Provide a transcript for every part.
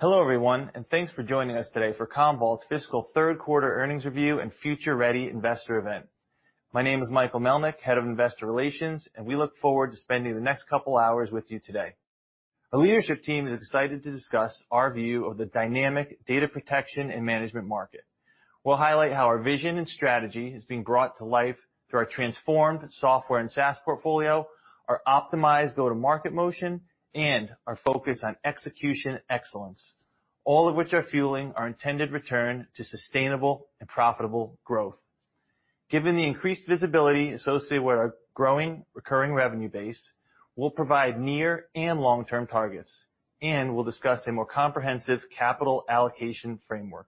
Hello, everyone, and thanks for joining us today for Commvault's fiscal third quarter earnings review and Future Ready Investor event. My name is Michael Melnyk, Head of Investor Relations, and we look forward to spending the next couple hours with you today. Our leadership team is excited to discuss our view of the dynamic data protection and management market. We'll highlight how our vision and strategy is being brought to life through our transformed software and SaaS portfolio, our optimized go-to-market motion, and our focus on execution excellence, all of which are fueling our intended return to sustainable and profitable growth. Given the increased visibility associated with our growing recurring revenue base, we'll provide near and long-term targets, and we'll discuss a more comprehensive capital allocation framework.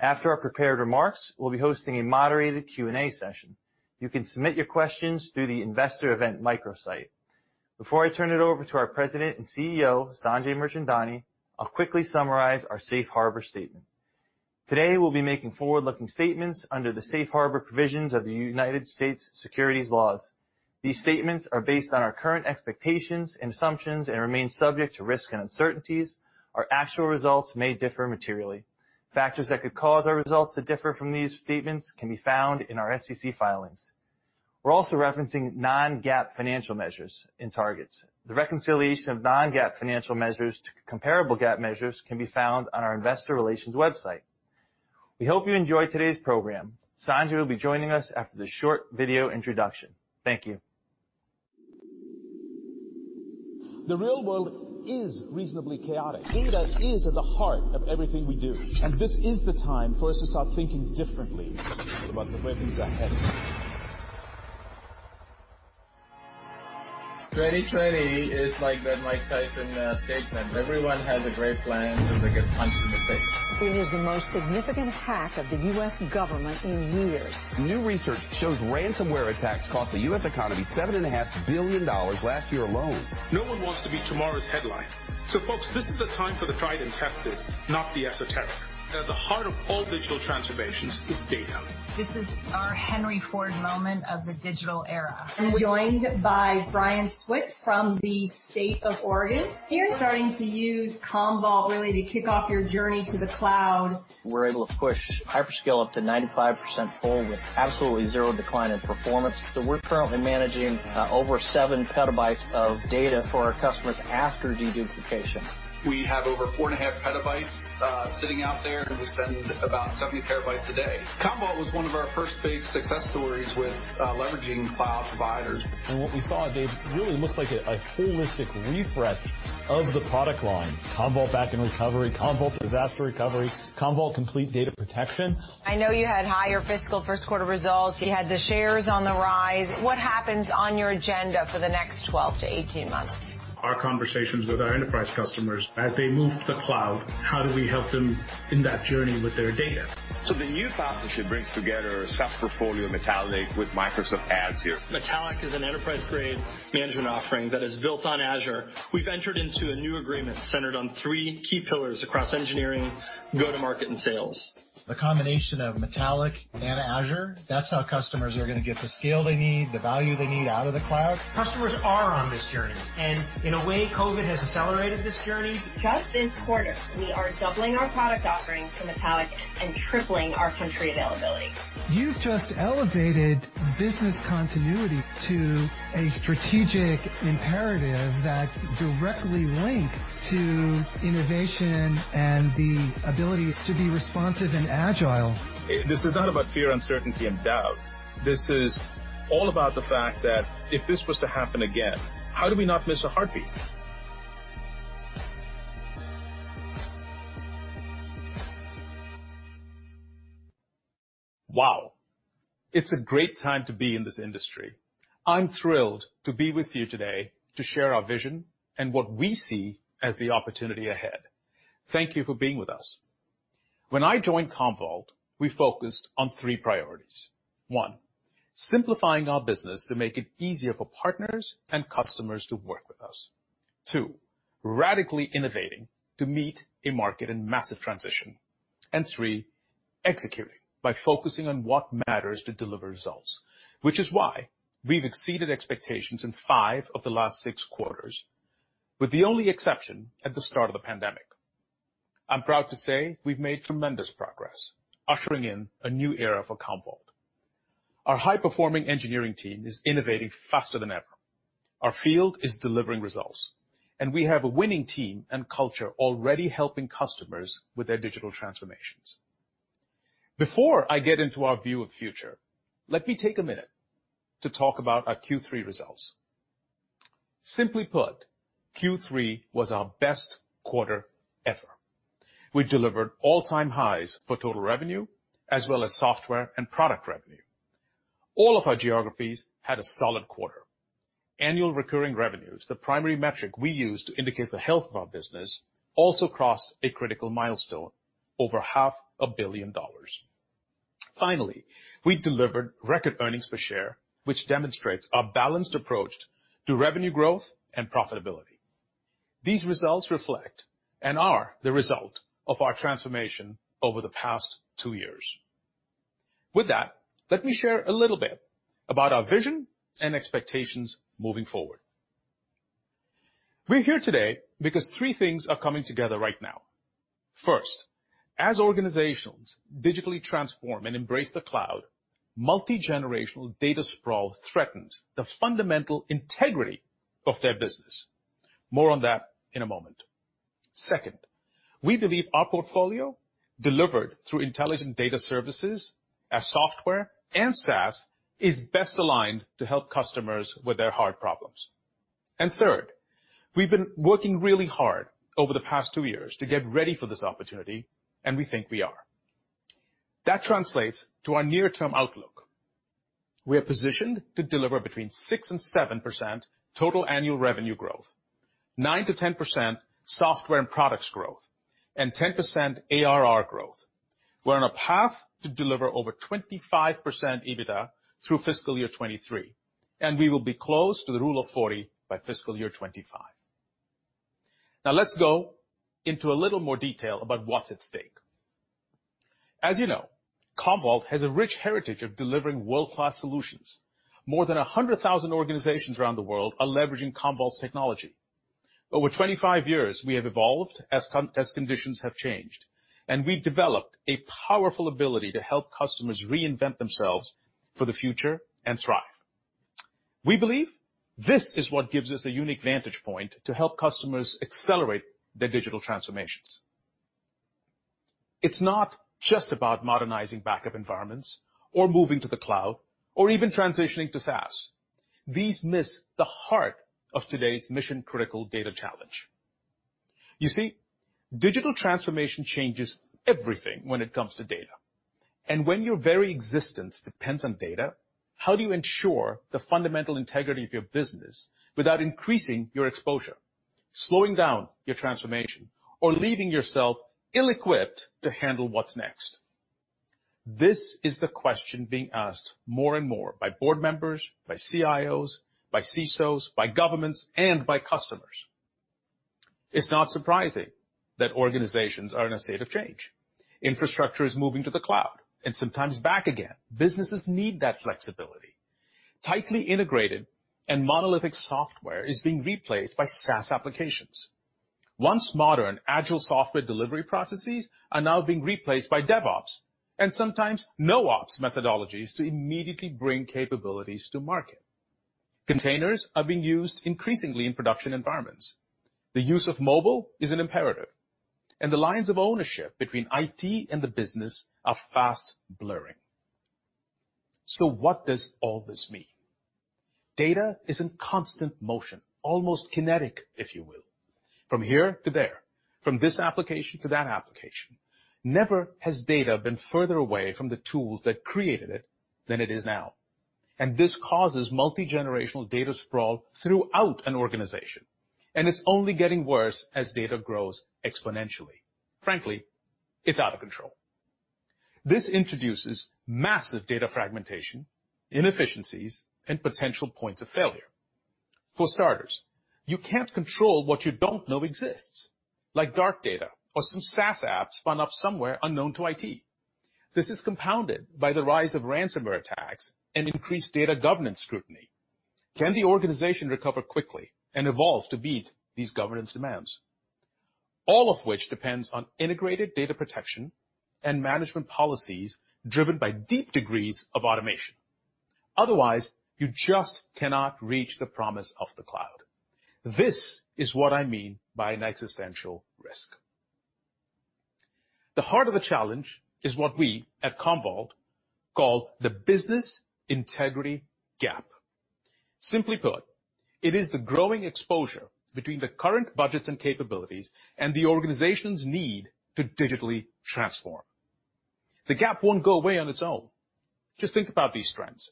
After our prepared remarks, we'll be hosting a moderated Q&A session. You can submit your questions through the investor event microsite. Before I turn it over to our President and CEO, Sanjay Mirchandani, I'll quickly summarize our safe harbor statement. Today, we'll be making forward-looking statements under the safe harbor provisions of the United States securities laws. These statements are based on our current expectations and assumptions and remain subject to risk and uncertainties. Our actual results may differ materially. Factors that could cause our results to differ from these statements can be found in our SEC filings. We're also referencing non-GAAP financial measures and targets. The reconciliation of non-GAAP financial measures to comparable GAAP measures can be found on our investor relations website. We hope you enjoy today's program. Sanjay will be joining us after this short video introduction. Thank you. The real world is reasonably chaotic. Data is at the heart of everything we do, and this is the time for us to start thinking differently about the way we are heading. 2020 is like that Mike Tyson statement, everyone has a great plan till they get punched in the face. It is the most significant hack of the U.S. government in years. New research shows ransomware attacks cost the U.S. economy $7.5 billion last year alone. No one wants to be tomorrow's headline. Folks, this is the time for the tried and tested, not the esoteric. At the heart of all digital transformations is data. This is our Henry Ford moment of the digital era. I'm joined by Brian Swick from the State of Oregon. You're starting to use Commvault really to kick off your journey to the cloud. We're able to push HyperScale X up to 95% full with absolutely zero decline in performance. We're currently managing over seven petabytes of data for our customers after deduplication. We have over four and a half petabytes sitting out there, and we send about 70 terabytes a day. Commvault was one of our first big success stories with leveraging cloud providers. What we saw, Dave, really looks like a holistic refresh of the product line. Commvault Backup & Recovery, Commvault Disaster Recovery, Commvault Complete Data Protection. I know you had higher fiscal first quarter results. You had the shares on the rise. What happens on your agenda for the next 12 to 18 months? Our conversations with our enterprise customers as they move to the cloud, how do we help them in that journey with their data? The new partnership brings together a SaaS portfolio, Metallic, with Microsoft Azure here. Metallic is an enterprise-grade management offering that is built on Azure. We've entered into a new agreement centered on three key pillars across engineering, go-to-market, and sales. The combination of Metallic and Azure, that's how customers are going to get the scale they need, the value they need out of the cloud. Customers are on this journey, and in a way, COVID has accelerated this journey. Just this quarter, we are doubling our product offerings to Metallic and tripling our country availability. You've just elevated business continuity to a strategic imperative that's directly linked to innovation and the ability to be responsive and agile. This is not about fear, uncertainty, and doubt. This is all about the fact that if this was to happen again, how do we not miss a heartbeat? Wow. It's a great time to be in this industry. I'm thrilled to be with you today to share our vision and what we see as the opportunity ahead. Thank you for being with us. When I joined Commvault, we focused on three priorities. One, simplifying our business to make it easier for partners and customers to work with us. Two, radically innovating to meet a market in massive transition. Three, executing by focusing on what matters to deliver results, which is why we've exceeded expectations in five of the last six quarters, with the only exception at the start of the pandemic. I'm proud to say we've made tremendous progress, ushering in a new era for Commvault. Our high-performing engineering team is innovating faster than ever. Our field is delivering results, and we have a winning team and culture already helping customers with their digital transformations. Before I get into our view of future, let me take a minute to talk about our Q3 results. Simply put, Q3 was our best quarter ever. We delivered all-time highs for total revenue, as well as software and product revenue. All of our geographies had a solid quarter. Annual recurring revenues, the primary metric we use to indicate the health of our business, also crossed a critical milestone, over half a billion dollars. Finally, we delivered record earnings per share, which demonstrates a balanced approach to revenue growth and profitability. These results reflect and are the result of our transformation over the past two years. With that, let me share a little bit about our vision and expectations moving forward. We're here today because three things are coming together right now. First, as organizations digitally transform and embrace the cloud, multi-generational data sprawl threatens the fundamental integrity of their business. More on that in a moment. Second, we believe our portfolio, delivered through intelligent data services as software and SaaS, is best aligned to help customers with their hard problems. Third, we've been working really hard over the past two years to get ready for this opportunity, and we think we are. That translates to our near-term outlook. We are positioned to deliver between 6% and 7% total annual revenue growth, 9%-10% software and products growth, and 10% ARR growth. We're on a path to deliver over 25% EBITDA through fiscal year 2023, and we will be close to the Rule of 40 by fiscal year 2025. Now let's go into a little more detail about what's at stake. As you know, Commvault has a rich heritage of delivering world-class solutions. More than 100,000 organizations around the world are leveraging Commvault's technology. Over 25 years, we have evolved as conditions have changed, and we've developed a powerful ability to help customers reinvent themselves for the future and thrive. We believe this is what gives us a unique vantage point to help customers accelerate their digital transformations. It's not just about modernizing backup environments or moving to the cloud or even transitioning to SaaS. These miss the heart of today's mission-critical data challenge. You see, digital transformation changes everything when it comes to data. When your very existence depends on data, how do you ensure the fundamental integrity of your business without increasing your exposure, slowing down your transformation, or leaving yourself ill-equipped to handle what's next? This is the question being asked more and more by board members, by CIOs, by CISOs, by governments, and by customers. It's not surprising that organizations are in a state of change. Infrastructure is moving to the cloud and sometimes back again. Businesses need that flexibility. Tightly integrated and monolithic software is being replaced by SaaS applications. Once modern, agile software delivery processes are now being replaced by DevOps, and sometimes NoOps methodologies to immediately bring capabilities to market. Containers are being used increasingly in production environments. The use of mobile is an imperative. The lines of ownership between IT and the business are fast blurring. What does all this mean? Data is in constant motion, almost kinetic, if you will. From here to there, from this application to that application, never has data been further away from the tools that created it than it is now. This causes multi-generational data sprawl throughout an organization, and it is only getting worse as data grows exponentially. Frankly, it is out of control. This introduces massive data fragmentation, inefficiencies, and potential points of failure. For starters, you cannot control what you do not know exists, like dark data or some SaaS app spun up somewhere unknown to IT. This is compounded by the rise of ransomware attacks and increased data governance scrutiny. Can the organization recover quickly and evolve to meet these governance demands? All of which depends on integrated data protection and management policies driven by deep degrees of automation. Otherwise, you just cannot reach the promise of the cloud. This is what I mean by an existential risk. The heart of the challenge is what we at Commvault call the business integrity gap. Simply put, it is the growing exposure between the current budgets and capabilities and the organization's need to digitally transform. The gap won't go away on its own. Just think about these trends.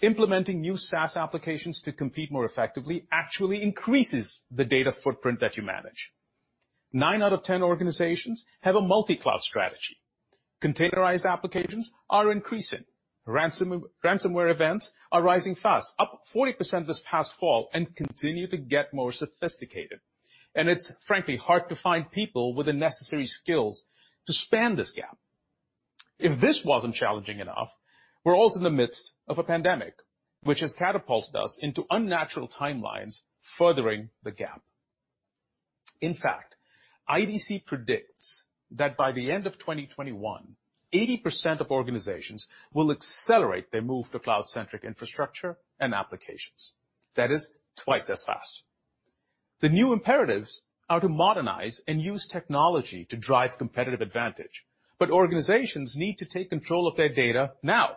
Implementing new SaaS applications to compete more effectively actually increases the data footprint that you manage. Nine out of 10 organizations have a multi-cloud strategy. Containerized applications are increasing. Ransomware events are rising fast, up 40% this past fall, and continue to get more sophisticated. It's frankly hard to find people with the necessary skills to span this gap. If this wasn't challenging enough, we're also in the midst of a pandemic, which has catapulted us into unnatural timelines, furthering the gap. In fact, IDC predicts that by the end of 2021, 80% of organizations will accelerate their move to cloud-centric infrastructure and applications. That is twice as fast. The new imperatives are to modernize and use technology to drive competitive advantage, but organizations need to take control of their data now.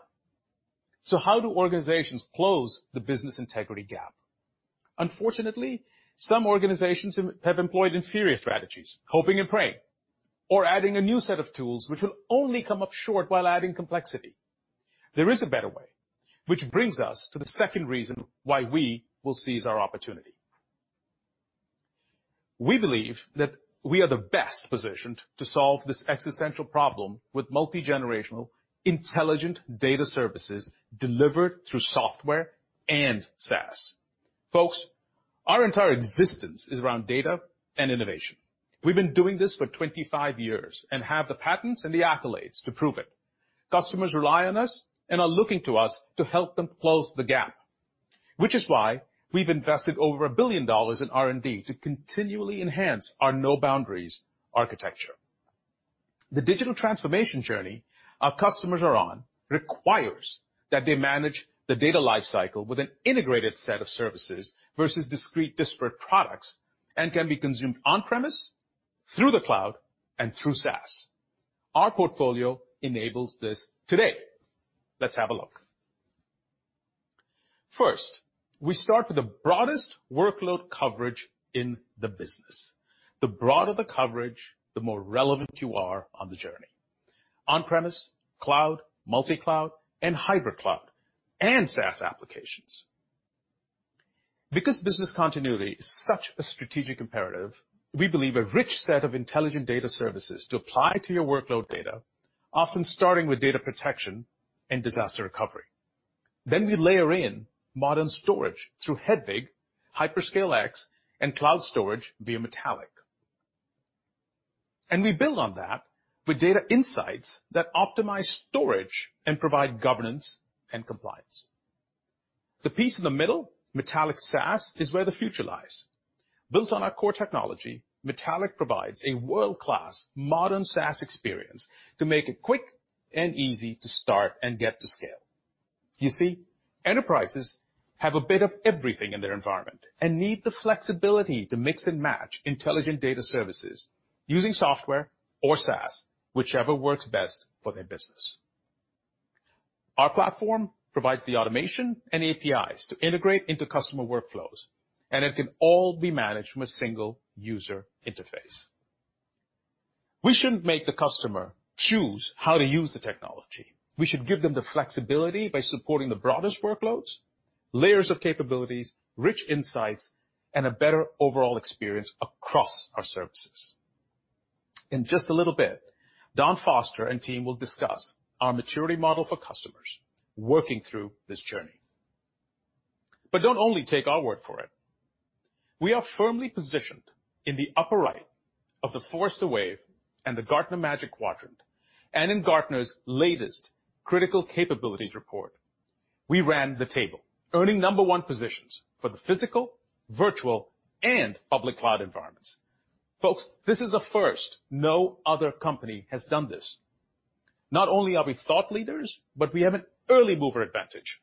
How do organizations close the business integrity gap? Unfortunately, some organizations have employed inferior strategies, hoping and praying, or adding a new set of tools, which will only come up short while adding complexity. There is a better way, which brings us to the second reason why we will seize our opportunity. We believe that we are the best positioned to solve this existential problem with multi-generational, intelligent data services delivered through software and SaaS. Folks. Our entire existence is around data and innovation. We've been doing this for 25 years and have the patents and the accolades to prove it. Customers rely on us and are looking to us to help them close the gap, which is why we've invested over $1 billion in R&D to continually enhance our no boundaries architecture. The digital transformation journey our customers are on requires that they manage the data life cycle with an integrated set of services versus discrete, disparate products, and can be consumed on-premise, through the cloud, and through SaaS. Our portfolio enables this today. Let's have a look. First, we start with the broadest workload coverage in the business. The broader the coverage, the more relevant you are on the journey. On-premise, cloud, multi-cloud, and hybrid cloud, and SaaS applications. Because business continuity is such a strategic imperative, we believe a rich set of intelligent data services to apply to your workload data, often starting with data protection and disaster recovery. We layer in modern storage through Hedvig, HyperScale X, and cloud storage via Metallic. We build on that with data insights that optimize storage and provide governance and compliance. The piece in the middle, Metallic SaaS, is where the future lies. Built on our core technology, Metallic provides a world-class modern SaaS experience to make it quick and easy to start and get to scale. You see, enterprises have a bit of everything in their environment and need the flexibility to mix and match intelligent data services using software or SaaS, whichever works best for their business. Our platform provides the automation and APIs to integrate into customer workflows, and it can all be managed from a single user interface. We shouldn't make the customer choose how to use the technology. We should give them the flexibility by supporting the broadest workloads, layers of capabilities, rich insights, and a better overall experience across our services. In just a little bit, Don Foster and team will discuss our maturity model for customers working through this journey. Don't only take our word for it. We are firmly positioned in the upper right of the Forrester Wave and the Gartner Magic Quadrant, and in Gartner's latest critical capabilities report, we ran the table, earning number 1 positions for the physical, virtual, and public cloud environments. Folks, this is a first. No other company has done this. Not only are we thought leaders, but we have an early mover advantage,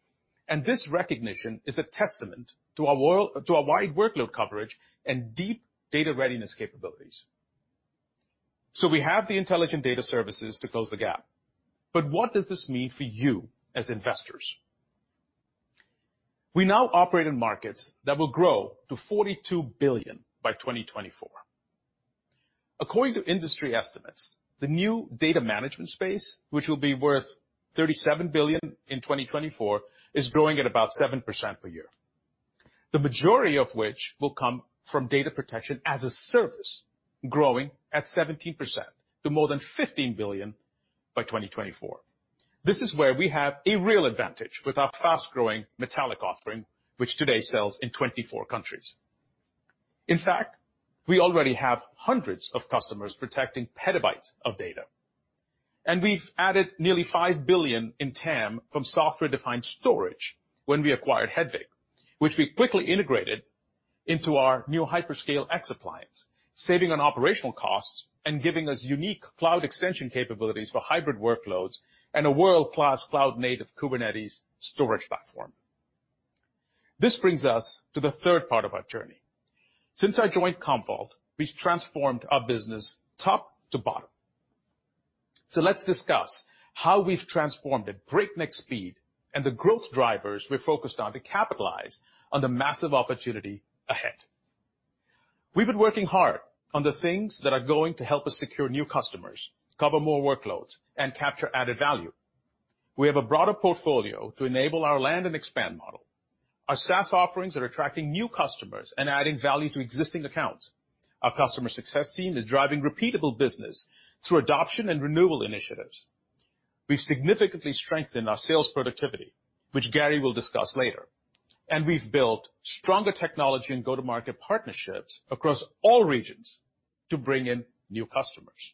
and this recognition is a testament to our wide workload coverage and deep data readiness capabilities. We have the intelligent data services to close the gap. What does this mean for you as investors? We now operate in markets that will grow to $42 billion by 2024. According to industry estimates, the new data management space, which will be worth $37 billion in 2024, is growing at about 7% per year, the majority of which will come from data protection as a service, growing at 17% to more than $15 billion by 2024. This is where we have a real advantage with our fast-growing Metallic offering, which today sells in 24 countries. In fact, we already have hundreds of customers protecting petabytes of data, and we've added nearly $5 billion in TAM from software-defined storage when we acquired Hedvig, which we quickly integrated into our new HyperScale X appliance, saving on operational costs and giving us unique cloud extension capabilities for hybrid workloads and a world-class cloud native Kubernetes storage platform. This brings us to the third part of our journey. Since I joined Commvault, we've transformed our business top to bottom. Let's discuss how we've transformed at breakneck speed and the growth drivers we're focused on to capitalize on the massive opportunity ahead. We've been working hard on the things that are going to help us secure new customers, cover more workloads, and capture added value. We have a broader portfolio to enable our land and expand model. Our SaaS offerings are attracting new customers and adding value to existing accounts. Our customer success team is driving repeatable business through adoption and renewal initiatives. We've significantly strengthened our sales productivity, which Gary will discuss later. We've built stronger technology and go-to-market partnerships across all regions to bring in new customers.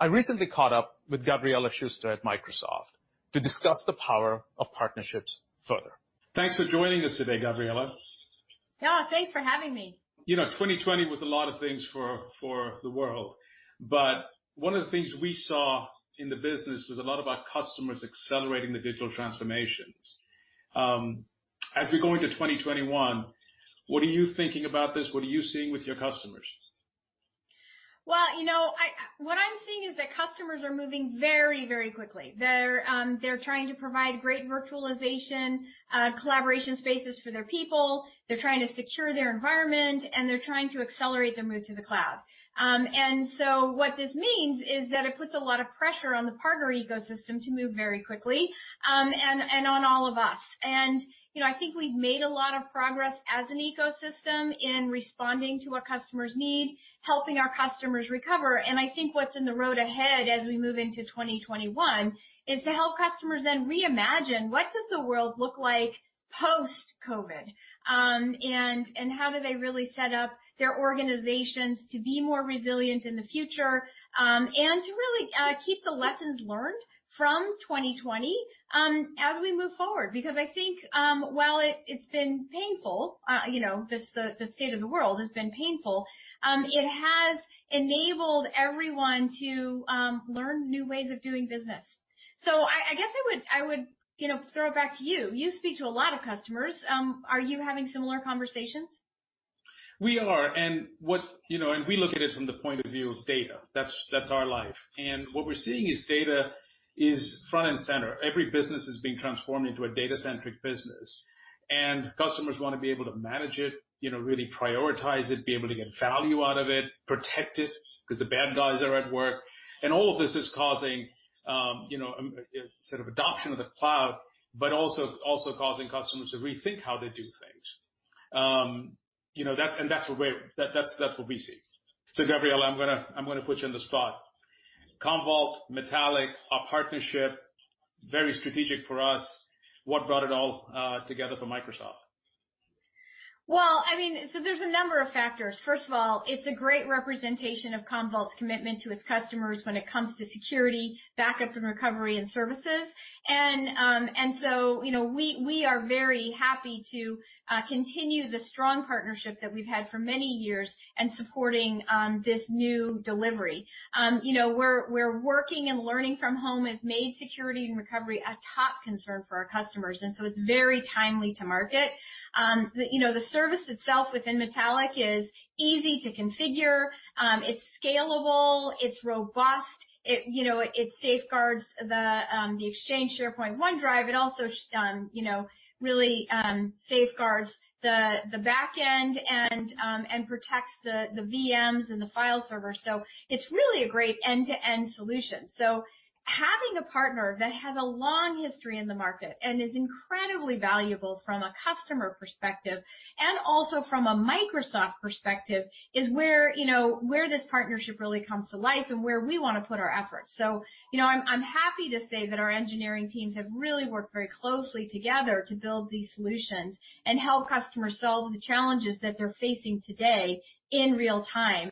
I recently caught up with Gavriella Schuster at Microsoft to discuss the power of partnerships further. Thanks for joining us today, Gavriella. Yeah, thanks for having me. You know, 2020 was a lot of things for the world, but one of the things we saw in the business was a lot of our customers accelerating the digital transformations. As we go into 2021, what are you thinking about this? What are you seeing with your customers? Well, what I'm seeing is that customers are moving very quickly. They're trying to provide great virtualization, collaboration spaces for their people. They're trying to secure their environment, they're trying to accelerate their move to the cloud. What this means is that it puts a lot of pressure on the partner ecosystem to move very quickly, and on all of us. I think we've made a lot of progress as an ecosystem and responding to what customers need, helping our customers recover. I think what's in the road ahead as we move into 2021 is to help customers then reimagine what does the world look like post-COVID? How do they really set up their organizations to be more resilient in the future, and to really keep the lessons learned from 2020 as we move forward, because I think, while it's been painful, the state of the world has been painful, it has enabled everyone to learn new ways of doing business. I guess I would throw it back to you. You speak to a lot of customers. Are you having similar conversations? We are. We look at it from the point of view of data. That's our life. What we're seeing is data is front and center. Every business is being transformed into a data-centric business, and customers want to be able to manage it, really prioritize it, be able to get value out of it, protect it, because the bad guys are at work. All of this is causing sort of adoption of the cloud, but also causing customers to rethink how they do things. That's what we see. Gavriella, I'm going to put you on the spot. Commvault, Metallic, our partnership, very strategic for us. What brought it all together for Microsoft? Well, there's a number of factors. First of all, it's a great representation of Commvault's commitment to its customers when it comes to security, backup and recovery and services. We are very happy to continue the strong partnership that we've had for many years and supporting this new delivery. Where working and learning from home has made security and recovery a top concern for our customers, it's very timely to market. The service itself within Metallic is easy to configure. It's scalable, it's robust. It safeguards the Exchange, SharePoint, OneDrive. It also really safeguards the back end and protects the VMs and the file server. It's really a great end-to-end solution. Having a partner that has a long history in the market and is incredibly valuable from a customer perspective and also from a Microsoft perspective, is where this partnership really comes to life and where we want to put our efforts. I'm happy to say that our engineering teams have really worked very closely together to build these solutions and help customers solve the challenges that they're facing today in real time.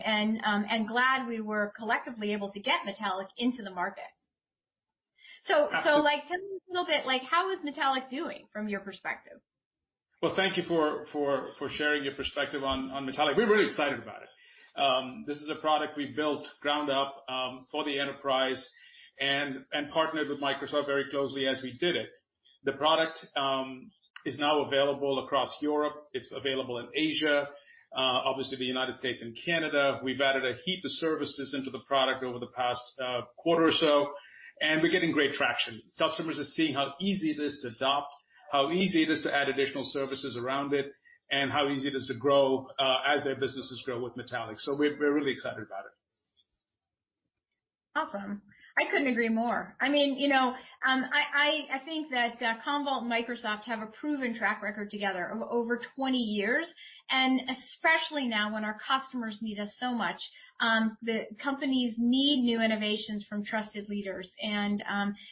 Glad we were collectively able to get Metallic into the market. Tell me a little bit, how is Metallic doing from your perspective? Well, thank you for sharing your perspective on Metallic. We're really excited about it. This is a product we built ground up, for the enterprise and partnered with Microsoft very closely as we did it. The product is now available across Europe. It's available in Asia, obviously the United States and Canada. We've added a heap of services into the product over the past quarter or so. We're getting great traction. Customers are seeing how easy it is to adopt, how easy it is to add additional services around it, and how easy it is to grow as their businesses grow with Metallic. We're really excited about it. Awesome. I couldn't agree more. I think that Commvault and Microsoft have a proven track record together of over 20 years. Especially now when our customers need us so much, the companies need new innovations from trusted leaders.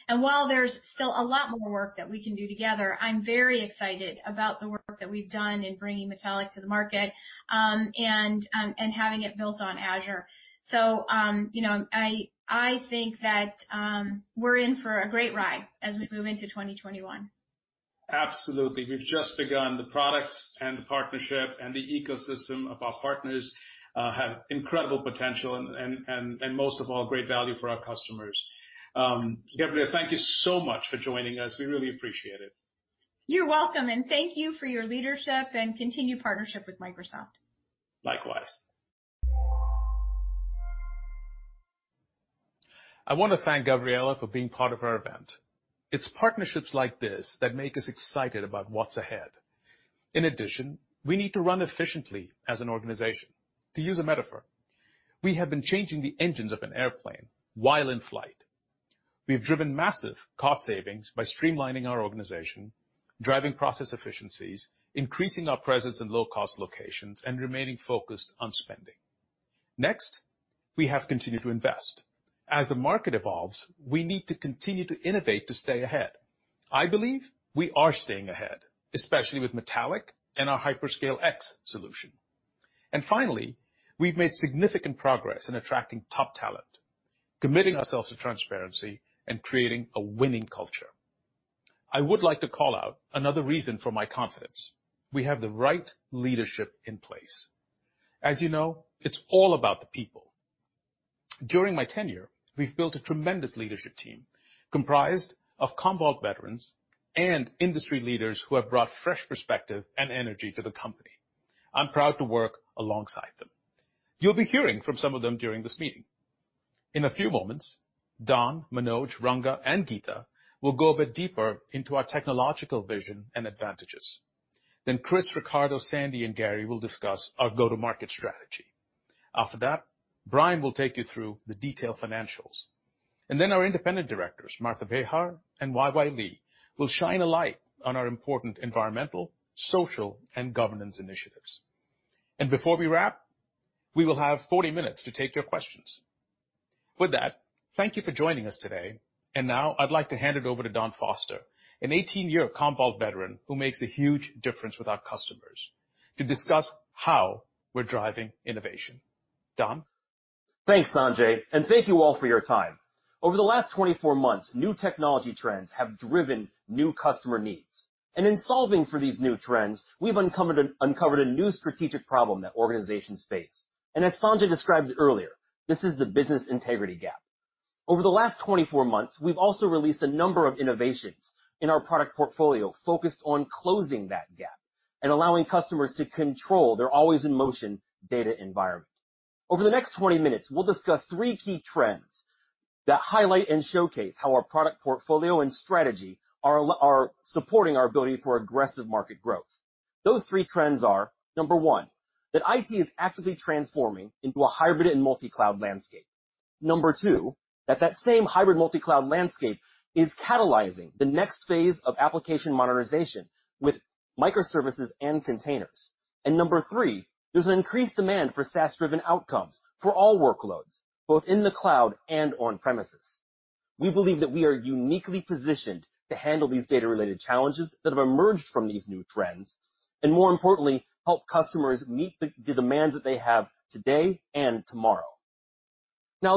While there's still a lot more work that we can do together, I'm very excited about the work that we've done in bringing Metallic to the market, and having it built on Azure. I think that we're in for a great ride as we move into 2021. Absolutely. We've just begun. The products and the partnership and the ecosystem of our partners have incredible potential and most of all, great value for our customers. Gavriella, thank you so much for joining us. We really appreciate it. You're welcome. Thank you for your leadership and continued partnership with Microsoft. Likewise. I want to thank Gavriella for being part of our event. It's partnerships like this that make us excited about what's ahead. In addition, we need to run efficiently as an organization. To use a metaphor, we have been changing the engines of an airplane while in flight. We've driven massive cost savings by streamlining our organization, driving process efficiencies, increasing our presence in low-cost locations, and remaining focused on spending. Next, we have continued to invest. As the market evolves, we need to continue to innovate to stay ahead. I believe we are staying ahead, especially with Metallic and our HyperScale X solution. Finally, we've made significant progress in attracting top talent, committing ourselves to transparency, and creating a winning culture. I would like to call out another reason for my confidence. We have the right leadership in place. As you know, it's all about the people. During my tenure, we've built a tremendous leadership team comprised of Commvault veterans and industry leaders who have brought fresh perspective and energy to the company. I'm proud to work alongside them. You'll be hearing from some of them during this meeting. In a few moments, Don, Manoj, Ranga, and Geeta will go a bit deeper into our technological vision and advantages. Chris, Riccardo, Sandy, and Gary will discuss our go-to-market strategy. After that, Brian will take you through the detailed financials. Our independent directors, Martha Bejar and YY Lee, will shine a light on our important Environmental, Social, and Governance initiatives. Before we wrap, we will have 40 minutes to take your questions. With that, thank you for joining us today. Now I'd like to hand it over to Don Foster, an 18-year Commvault veteran who makes a huge difference with our customers, to discuss how we're driving innovation. Don? Thanks, Sanjay, thank you all for your time. Over the last 24 months, new technology trends have driven new customer needs. In solving for these new trends, we've uncovered a new strategic problem that organizations face. As Sanjay described earlier, this is the business integrity gap. Over the last 24 months, we've also released a number of innovations in our product portfolio focused on closing that gap and allowing customers to control their always-in-motion data environment. Over the next 20 minutes, we'll discuss three key trends that highlight and showcase how our product portfolio and strategy are supporting our ability for aggressive market growth. Those three trends are, number one, that IT is actively transforming into a hybrid and multi-cloud landscape. Number two, that same hybrid multi-cloud landscape is catalyzing the next phase of application modernization with microservices and containers. Number 3, there's an increased demand for SaaS-driven outcomes for all workloads, both in the cloud and on premises. We believe that we are uniquely positioned to handle these data-related challenges that have emerged from these new trends, and more importantly, help customers meet the demands that they have today and tomorrow.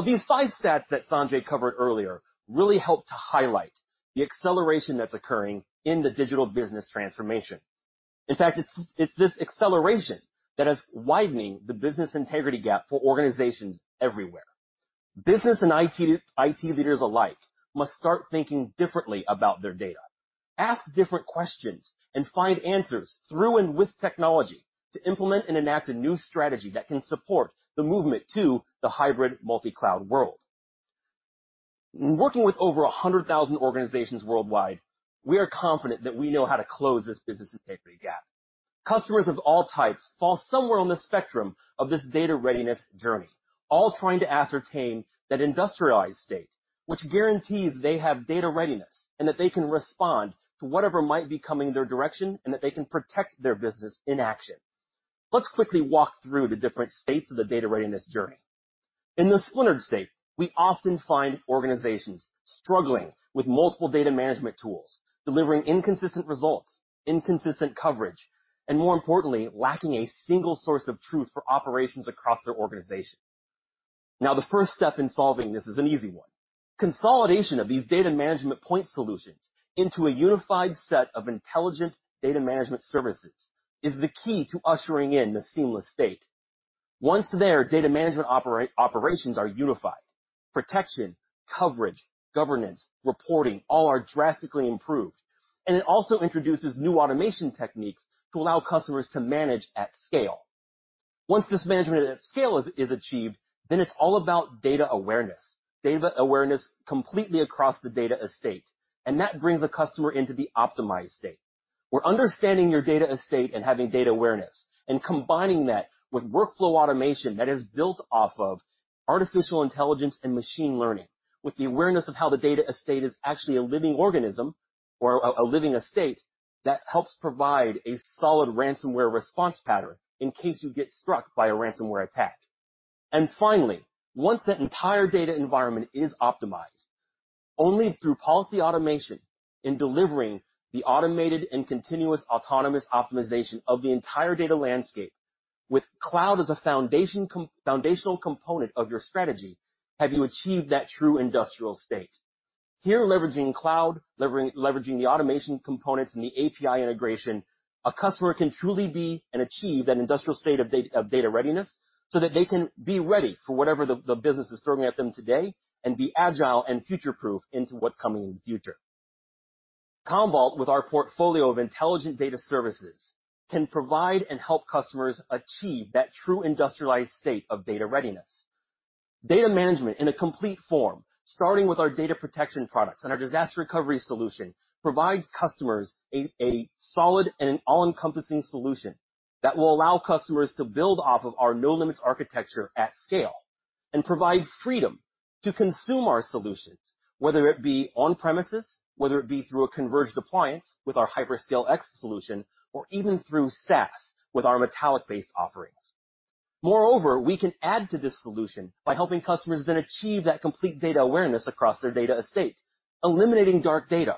These five stats that Sanjay covered earlier really help to highlight the acceleration that's occurring in the digital business transformation. In fact, it's this acceleration that is widening the business integrity gap for organizations everywhere. Business and IT leaders alike must start thinking differently about their data, ask different questions, and find answers through and with technology to implement and enact a new strategy that can support the movement to the hybrid multi-cloud world. Working with over 100,000 organizations worldwide, we are confident that we know how to close this business integrity gap. Customers of all types fall somewhere on the spectrum of this data readiness journey, all trying to ascertain that industrialized state, which guarantees they have data readiness, and that they can respond to whatever might be coming their direction, and that they can protect their business in action. Let's quickly walk through the different states of the data readiness journey. In the splintered state, we often find organizations struggling with multiple data management tools, delivering inconsistent results, inconsistent coverage, and more importantly, lacking a single source of truth for operations across their organization. Now, the first step in solving this is an easy one. Consolidation of these data management point solutions into a unified set of intelligent data management services is the key to ushering in the seamless state. Once there, data management operations are unified. Protection, coverage, governance, reporting, all are drastically improved, and it also introduces new automation techniques to allow customers to manage at scale. Once this management at scale is achieved, then it's all about data awareness, data awareness completely across the data estate, and that brings a customer into the optimized state, Where understanding your data estate and having data awareness and combining that with workflow automation that is built off of artificial intelligence and machine learning, with the awareness of how the data estate is actually a living organism or a living estate, that helps provide a solid ransomware response pattern in case you get struck by a ransomware attack. Finally, once that entire data environment is optimized, only through policy automation in delivering the automated and continuous autonomous optimization of the entire data landscape with cloud as a foundational component of your strategy, have you achieved that true industrial state. Here, leveraging cloud, leveraging the automation components and the API integration, a customer can truly be and achieve that industrial state of data readiness, so that they can be ready for whatever the business is throwing at them today and be agile and future-proof into what's coming in the future. Commvault, with our portfolio of intelligent data services, can provide and help customers achieve that true industrialized state of data readiness. Data management in a complete form, starting with our data protection products and our disaster recovery solution, provides customers a solid and an all-encompassing solution that will allow customers to build off of our no-limits architecture at scale and provide freedom to consume our solutions, whether it be on-premises, whether it be through a converged appliance with our HyperScale X solution, or even through SaaS with our Metallic-based offerings. Moreover, we can add to this solution by helping customers then achieve that complete data awareness across their data estate, eliminating dark data,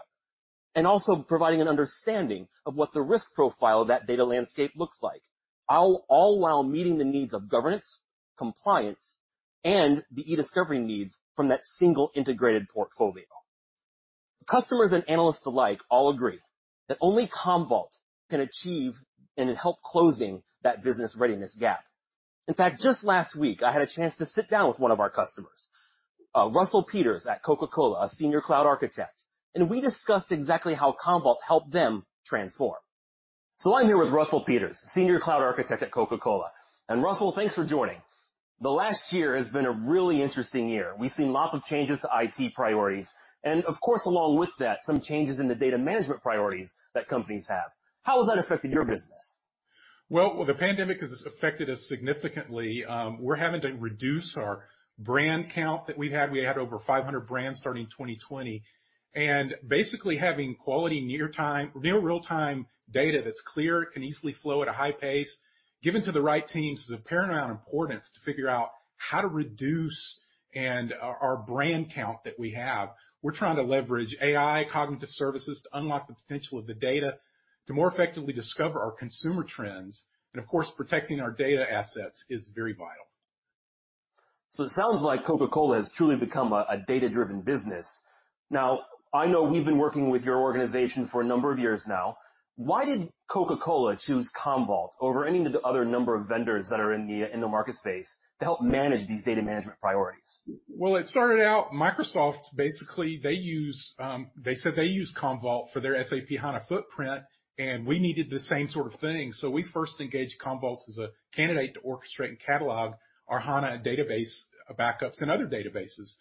and also providing an understanding of what the risk profile of that data landscape looks like, all while meeting the needs of governance, compliance, and the e-discovery needs from that single integrated portfolio. Customers and analysts alike all agree that only Commvault can achieve and help closing that business readiness gap. In fact, just last week, I had a chance to sit down with one of our customers, Russell Peters at Coca-Cola, a senior cloud architect, and we discussed exactly how Commvault helped them transform. I'm here with Russell Peters, senior cloud architect at Coca-Cola. Russell, thanks for joining. The last year has been a really interesting year. We've seen lots of changes to IT priorities and, of course, along with that, some changes in the data management priorities that companies have. How has that affected your business? Well, the pandemic has affected us significantly. We're having to reduce our brand count that we had. We had over 500 brands starting 2020. Basically, having quality near real-time data that's clear, can easily flow at a high pace, given to the right teams is of paramount importance to figure out how to reduce our brand count that we have. We're trying to leverage AI cognitive services to unlock the potential of the data to more effectively discover our consumer trends. Of course, protecting our data assets is very vital. It sounds like Coca-Cola has truly become a data-driven business. Now, I know we've been working with your organization for a number of years now. Why did Coca-Cola choose Commvault over any of the other number of vendors that are in the market space to help manage these data management priorities? It started out, Microsoft, basically, they said they use Commvault for their SAP HANA footprint, and we needed the same sort of thing. We first engaged Commvault as a candidate to orchestrate and catalog our HANA database backups and other databases.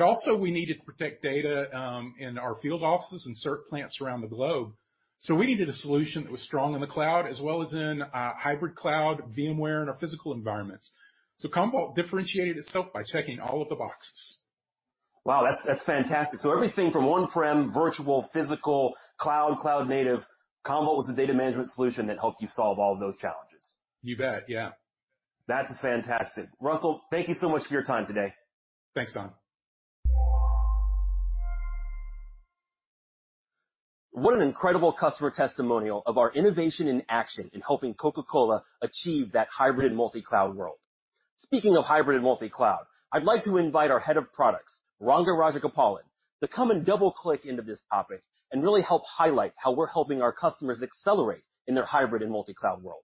Also we needed to protect data in our field offices and certain plants around the globe. We needed a solution that was strong in the cloud as well as in hybrid cloud, VMware, and our physical environments. Commvault differentiated itself by checking all of the boxes. Wow, that's fantastic. Everything from on-prem, virtual, physical, cloud native, Commvault was the data management solution that helped you solve all of those challenges. You bet. Yeah. That's fantastic. Russell, thank you so much for your time today. Thanks, Don. What an incredible customer testimonial of our innovation in action in helping Coca-Cola achieve that hybrid multi-cloud world. Speaking of hybrid and multi-cloud, I'd like to invite our head of products, Ranga Rajagopalan, to come and double-click into this topic and really help highlight how we're helping our customers accelerate in their hybrid and multi-cloud world.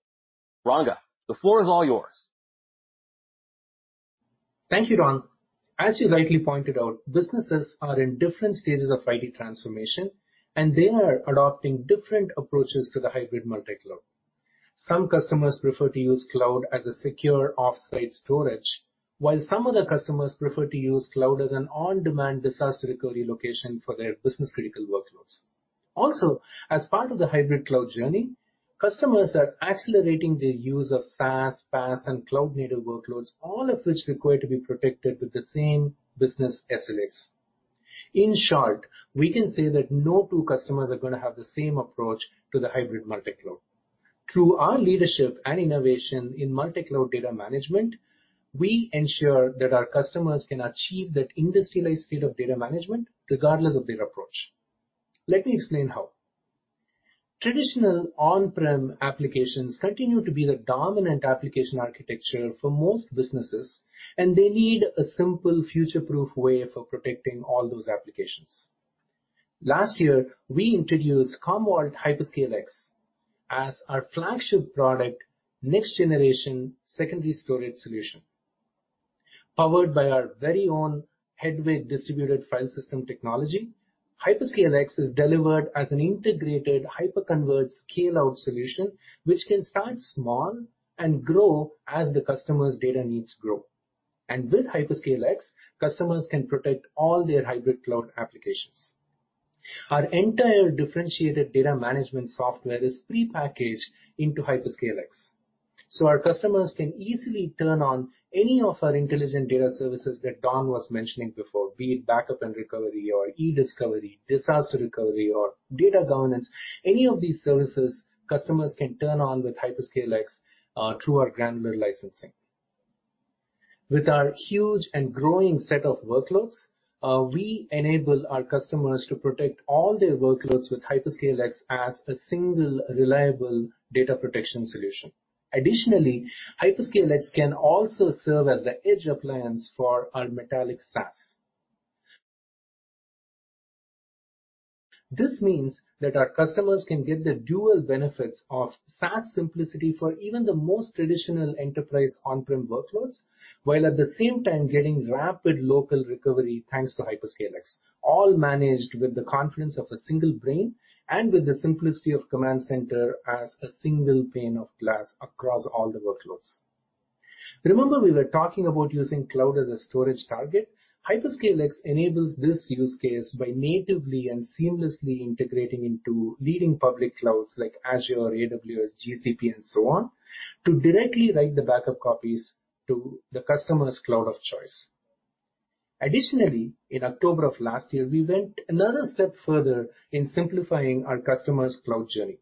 Ranga, the floor is all yours. Thank you, Don. As you rightly pointed out, businesses are in different stages of IT transformation, and they are adopting different approaches to the hybrid multi-cloud. Some customers prefer to use cloud as a secure off-site storage, while some other customers prefer to use cloud as an on-demand disaster recovery location for their business-critical workloads. Also, as part of the hybrid cloud journey, customers are accelerating their use of SaaS, PaaS, and cloud-native workloads, all of which require to be protected with the same business SLAs. In short, we can say that no two customers are going to have the same approach to the hybrid multi-cloud. Through our leadership and innovation in multi-cloud data management, we ensure that our customers can achieve that industrialized state of data management regardless of their approach. Let me explain how. Traditional on-prem applications continue to be the dominant application architecture for most businesses, they need a simple future-proof way for protecting all those applications. Last year, we introduced Commvault HyperScale X as our flagship product next-generation secondary storage solution. Powered by our very own Hedvig distributed file system technology, HyperScale X is delivered as an integrated hyperconverged scale-out solution, which can start small and grow as the customer's data needs grow. With HyperScale X, customers can protect all their hybrid cloud applications. Our entire differentiated data management software is prepackaged into HyperScale X. Our customers can easily turn on any of our intelligent data services that Don was mentioning before, be it backup and recovery or e-discovery, disaster recovery, or data governance. Any of these services customers can turn on with HyperScale X through our granular licensing. With our huge and growing set of workloads, we enable our customers to protect all their workloads with HyperScale X as a single reliable data protection solution. Additionally, HyperScale X can also serve as the edge appliance for our Metallic SaaS. This means that our customers can get the dual benefits of SaaS simplicity for even the most traditional enterprise on-prem workloads, while at the same time getting rapid local recovery, thanks to HyperScale X, all managed with the confidence of a single brain and with the simplicity of Command Center as a single pane of glass across all the workloads. Remember, we were talking about using cloud as a storage target. HyperScale X enables this use case by natively and seamlessly integrating into leading public clouds like Azure, AWS, GCP, and so on, to directly write the backup copies to the customer's cloud of choice. Additionally, in October of last year, we went another step further in simplifying our customers' cloud journey.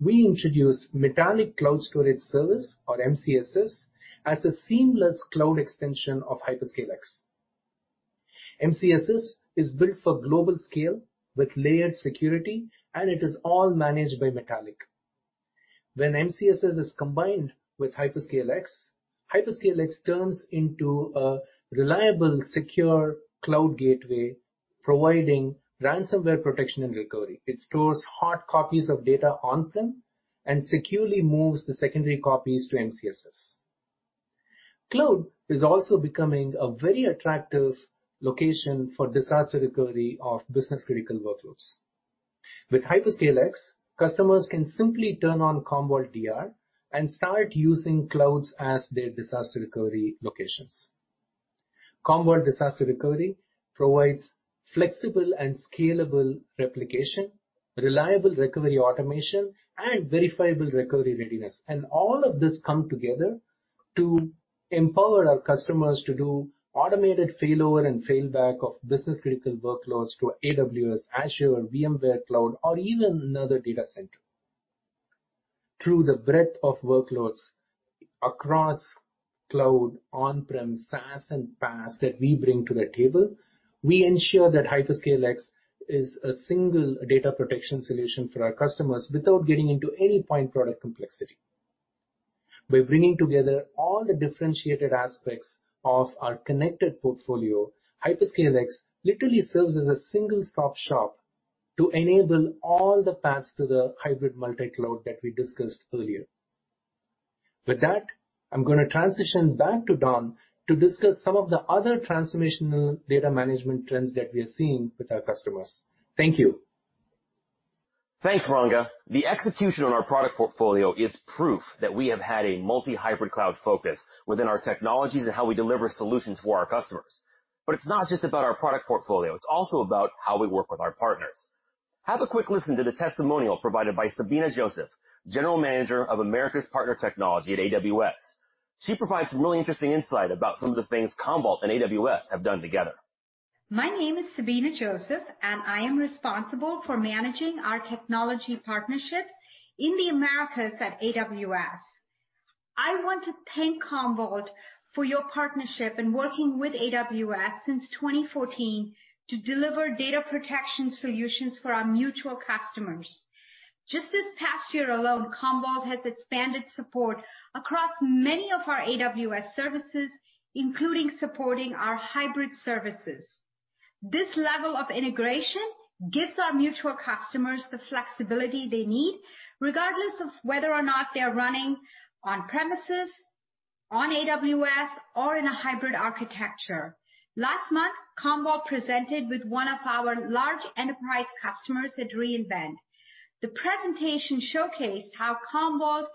We introduced Metallic Cloud Storage Service, or MCSS, as a seamless cloud extension of HyperScale X. MCSS is built for global scale with layered security, and it is all managed by Metallic. When MCSS is combined with HyperScale X, HyperScale X turns into a reliable, secure cloud gateway providing ransomware protection and recovery. It stores hard copies of data on-prem and securely moves the secondary copies to MCSS. Cloud is also becoming a very attractive location for disaster recovery of business-critical workloads. With HyperScale X, customers can simply turn on Commvault DR and start using clouds as their disaster recovery locations. Commvault Disaster Recovery provides flexible and scalable replication, reliable recovery automation, and verifiable recovery readiness. All of this come together to empower our customers to do automated failover and failback of business critical workloads to AWS, Azure, VMware Cloud, or even another data center. Through the breadth of workloads across cloud, on-prem, SaaS, and PaaS that we bring to the table, we ensure that HyperScale X is a single data protection solution for our customers without getting into any point product complexity. By bringing together all the differentiated aspects of our connected portfolio, HyperScale X literally serves as a single-stop shop to enable all the paths to the hybrid multi-cloud that we discussed earlier. With that, I'm going to transition back to Don to discuss some of the other transformational data management trends that we are seeing with our customers. Thank you. Thanks, Ranga. The execution on our product portfolio is proof that we have had a multi hybrid cloud focus within our technologies and how we deliver solutions for our customers. It's not just about our product portfolio, it's also about how we work with our partners. Have a quick listen to the testimonial provided by Sabina Joseph, General Manager of Americas Partner Technology at AWS. She provides some really interesting insight about some of the things Commvault and AWS have done together. My name is Sabina Joseph. I am responsible for managing our technology partnerships in the Americas at AWS. I want to thank Commvault for your partnership in working with AWS since 2014 to deliver data protection solutions for our mutual customers. Just this past year alone, Commvault has expanded support across many of our AWS services, including supporting our hybrid services. This level of integration gives our mutual customers the flexibility they need, regardless of whether or not they're running on premises, on AWS, or in a hybrid architecture. Last month, Commvault presented with one of our large enterprise customers at re:Invent. The presentation showcased how Commvault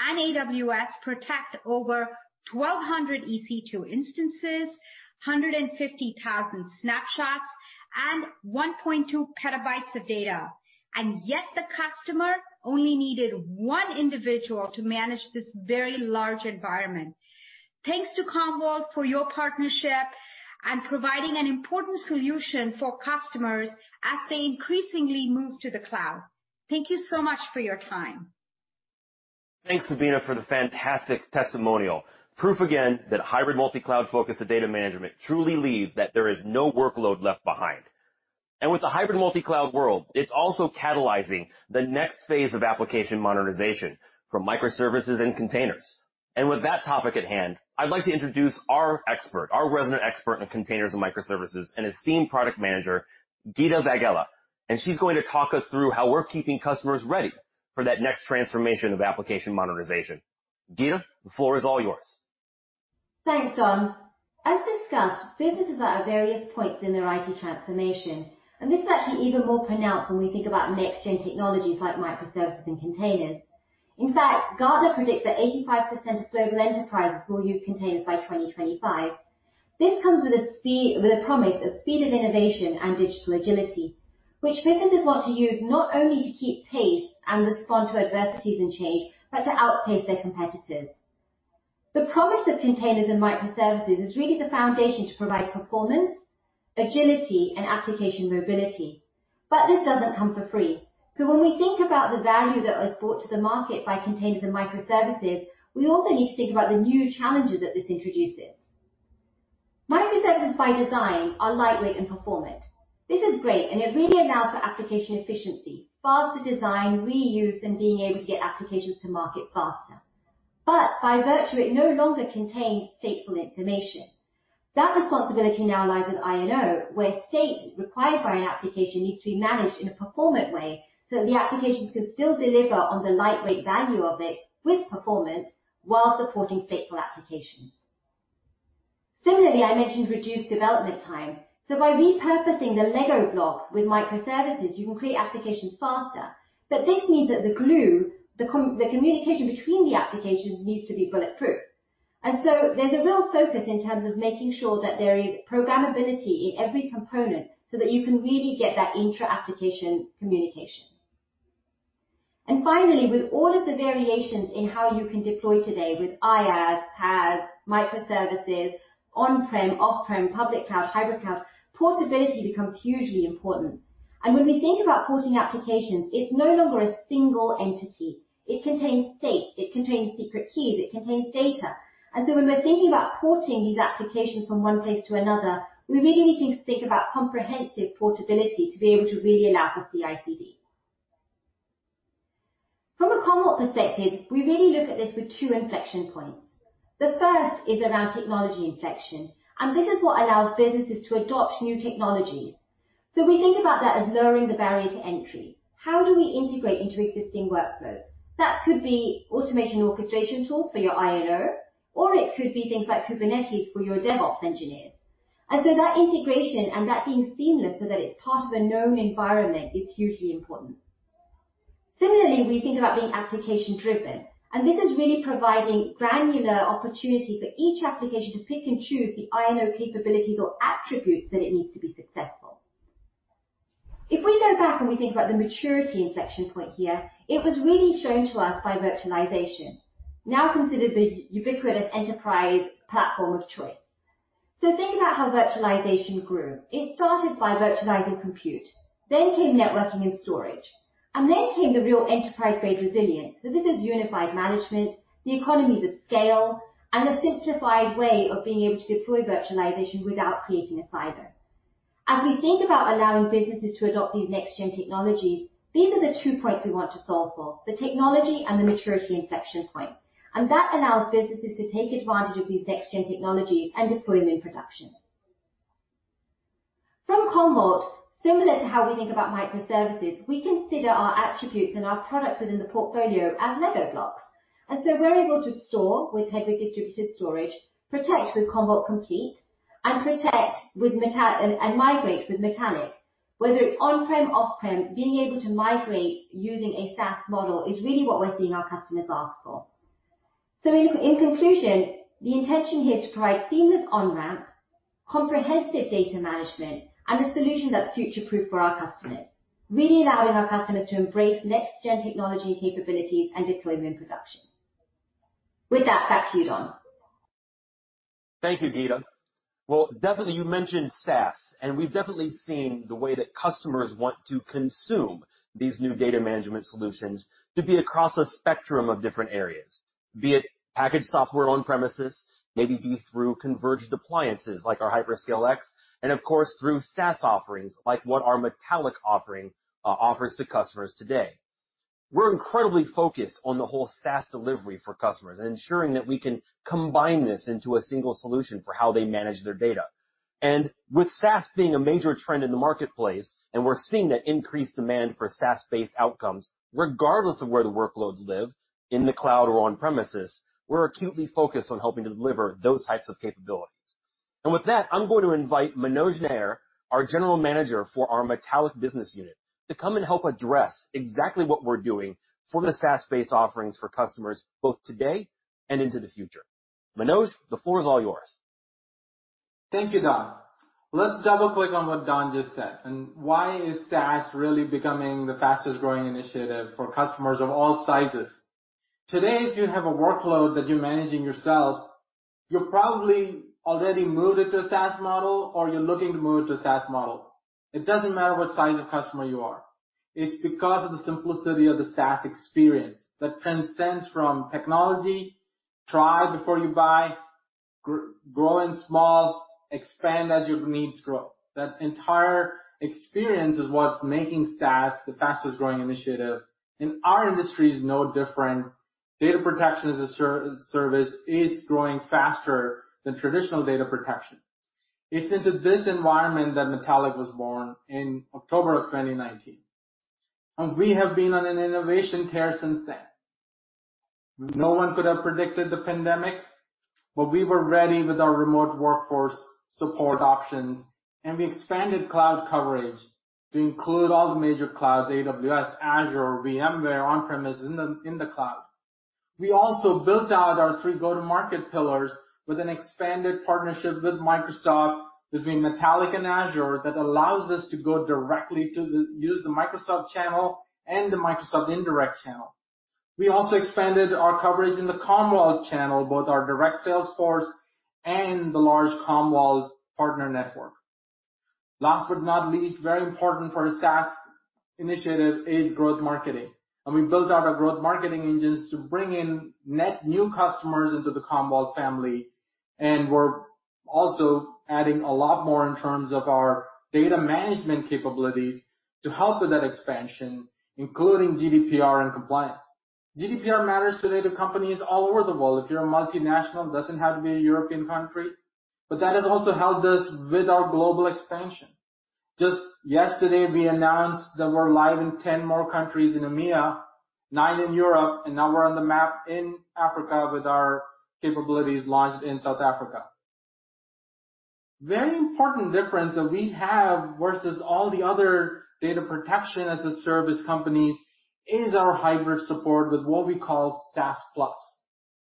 and AWS protect over 1,200 EC2 instances, 150,000 snapshots, and 1.2 petabytes of data. Yet the customer only needed one individual to manage this very large environment. Thanks to Commvault for your partnership and providing an important solution for customers as they increasingly move to the cloud. Thank you so much for your time. Thanks, Sabina, for the fantastic testimonial. Proof again that hybrid multi-cloud focus of data management truly leaves that there is no workload left behind. With the hybrid multi-cloud world, it's also catalyzing the next phase of application modernization from microservices and containers. With that topic at hand, I'd like to introduce our expert, our resident expert on containers and microservices, an esteemed product manager, Geeta Vaghela, and she's going to talk us through how we're keeping customers ready for that next transformation of application modernization. Geeta, the floor is all yours. Thanks, Don. As discussed, businesses are at various points in their IT transformation, and this is actually even more pronounced when we think about next-gen technologies like microservices and containers. In fact, Gartner predicts that 85% of global enterprises will use containers by 2025. This comes with a promise of speed of innovation and digital agility, which businesses want to use not only to keep pace and respond to adversities and change, but to outpace their competitors. The promise of containers and microservices is really the foundation to provide performance, agility, and application mobility. This doesn't come for free. When we think about the value that was brought to the market by containers and microservices, we also need to think about the new challenges that this introduces. Microservices by design are lightweight and performant. This is great, and it really allows for application efficiency, faster design, reuse, and being able to get applications to market faster. By virtue, it no longer contains stateful information. That responsibility now lies with I&O, where state required by an application needs to be managed in a performant way so that the application can still deliver on the lightweight value of it with performance while supporting stateful applications. Similarly, I mentioned reduced development time. By repurposing the Lego blocks with microservices, you can create applications faster. This means that the glue, the communication between the applications, needs to be bulletproof. There's a real focus in terms of making sure that there is programmability in every component so that you can really get that intra-application communication. Finally, with all of the variations in how you can deploy today with IaaS, PaaS, microservices, on-prem, off-prem, public cloud, hybrid cloud, portability becomes hugely important. When we think about porting applications, it's no longer a single entity. It contains state, it contains secret keys, it contains data. When we're thinking about porting these applications from one place to another, we really need to think about comprehensive portability to be able to really allow for CI/CD. From a Commvault perspective, we really look at this with two inflection points. The first is around technology inflection, this is what allows businesses to adopt new technologies. We think about that as lowering the barrier to entry. How do we integrate into existing workflows? That could be automation orchestration tools for your I&O, or it could be things like Kubernetes for your DevOps engineers. That integration and that being seamless so that it's part of a known environment is hugely important. Similarly, we think about being application-driven, and this is really providing granular opportunity for each application to pick and choose the I&O capabilities or attributes that it needs to be successful. If we go back and we think about the maturity inflection point here, it was really shown to us by virtualization, now considered the ubiquitous enterprise platform of choice. Think about how virtualization grew. It started by virtualizing compute, then came networking and storage, and then came the real enterprise-grade resilience. This is unified management, the economies of scale, and the simplified way of being able to deploy virtualization without creating a silo. As we think about allowing businesses to adopt these next-gen technologies, these are the two points we want to solve for, the technology and the maturity inflection point. That allows businesses to take advantage of these next-gen technologies and deploy them in production. From Commvault, similar to how we think about microservices, we consider our attributes and our products within the portfolio as Lego blocks. We're able to store with Hedvig distributed storage, protect with Commvault Complete, and migrate with Metallic. Whether it's on-prem, off-prem, being able to migrate using a SaaS model is really what we're seeing our customers ask for. In conclusion, the intention here is to provide seamless on-ramp, comprehensive data management, and a solution that's future-proof for our customers, really allowing our customers to embrace next-gen technology capabilities and deploy them in production. With that, back to you, Don. Thank you, Geeta. Definitely, you mentioned SaaS, and we've definitely seen the way that customers want to consume these new data management solutions to be across a spectrum of different areas. Be it packaged software on-premises, maybe be through converged appliances like our HyperScale X, and of course, through SaaS offerings like what our Metallic offering offers to customers today. We're incredibly focused on the whole SaaS delivery for customers and ensuring that we can combine this into a single solution for how they manage their data. With SaaS being a major trend in the marketplace, and we're seeing that increased demand for SaaS-based outcomes, regardless of where the workloads live, in the cloud or on-premises, we're acutely focused on helping to deliver those types of capabilities. With that, I'm going to invite Manoj Nair, our General Manager for our Metallic business unit, to come and help address exactly what we're doing for the SaaS-based offerings for customers both today and into the future. Manoj, the floor is all yours. Thank you, Don. Let's double-click on what Don just said and why is SaaS really becoming the fastest-growing initiative for customers of all sizes. Today, if you have a workload that you're managing yourself, you probably already moved it to a SaaS model or you're looking to move it to a SaaS model. It doesn't matter what size of customer you are. It's because of the simplicity of the SaaS experience that transcends from technology, try before you buy, grow in small, expand as your needs grow. That entire experience is what's making SaaS the fastest-growing initiative, and our industry is no different. Data protection as a service is growing faster than traditional data protection. It's into this environment that Metallic was born in October of 2019. We have been on an innovation tear since then. No one could have predicted the pandemic, but we were ready with our remote workforce support options. We expanded cloud coverage to include all the major clouds, AWS, Azure, VMware, on-premises, in the cloud. We also built out our three go-to-market pillars with an expanded partnership with Microsoft between Metallic and Azure that allows us to go directly to use the Microsoft channel and the Microsoft indirect channel. We also expanded our coverage in the Commvault channel, both our direct sales force and the large Commvault partner network. Last but not least, very important for a SaaS initiative is growth marketing. We built out our growth marketing engines to bring in net new customers into the Commvault family. We're also adding a lot more in terms of our data management capabilities to help with that expansion, including GDPR and compliance. GDPR matters to data companies all over the world. If you're a multinational, doesn't have to be a European country, but that has also helped us with our global expansion. Just yesterday, we announced that we're live in 10 more countries in EMEA, nine in Europe, and now we're on the map in Africa with our capabilities launched in South Africa. Very important difference that we have versus all the other data protection-as-a-service companies is our hybrid support with what we call SaaS+.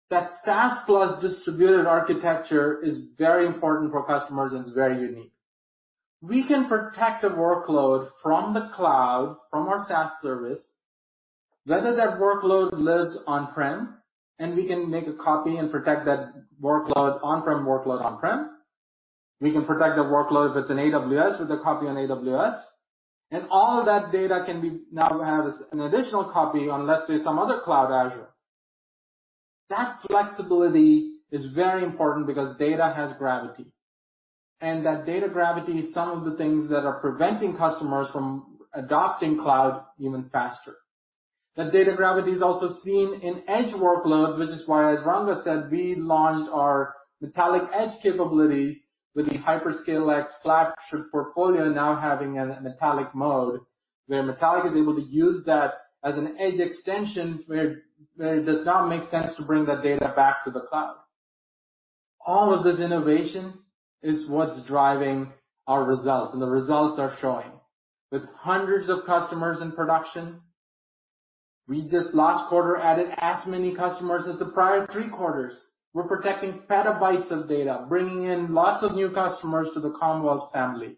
That SaaS+ distributed architecture is very important for customers and it's very unique. We can protect a workload from the cloud, from our SaaS service, whether that workload lives on-prem, and we can make a copy and protect that workload on-prem. We can protect the workload if it's in AWS with a copy on AWS. All of that data can now have an additional copy on, let's say, some other cloud, Azure. That flexibility is very important because data has gravity. That data gravity is some of the things that are preventing customers from adopting cloud even faster. That data gravity is also seen in edge workloads, which is why, as Ranga said, we launched our Metallic Edge capabilities with the HyperScale X flagship portfolio now having a Metallic node, where Metallic is able to use that as an edge extension where it does not make sense to bring that data back to the cloud. All of this innovation is what's driving our results. The results are showing. With hundreds of customers in production, we just last quarter added as many customers as the prior three quarters. We're protecting petabytes of data, bringing in lots of new customers to the Commvault family.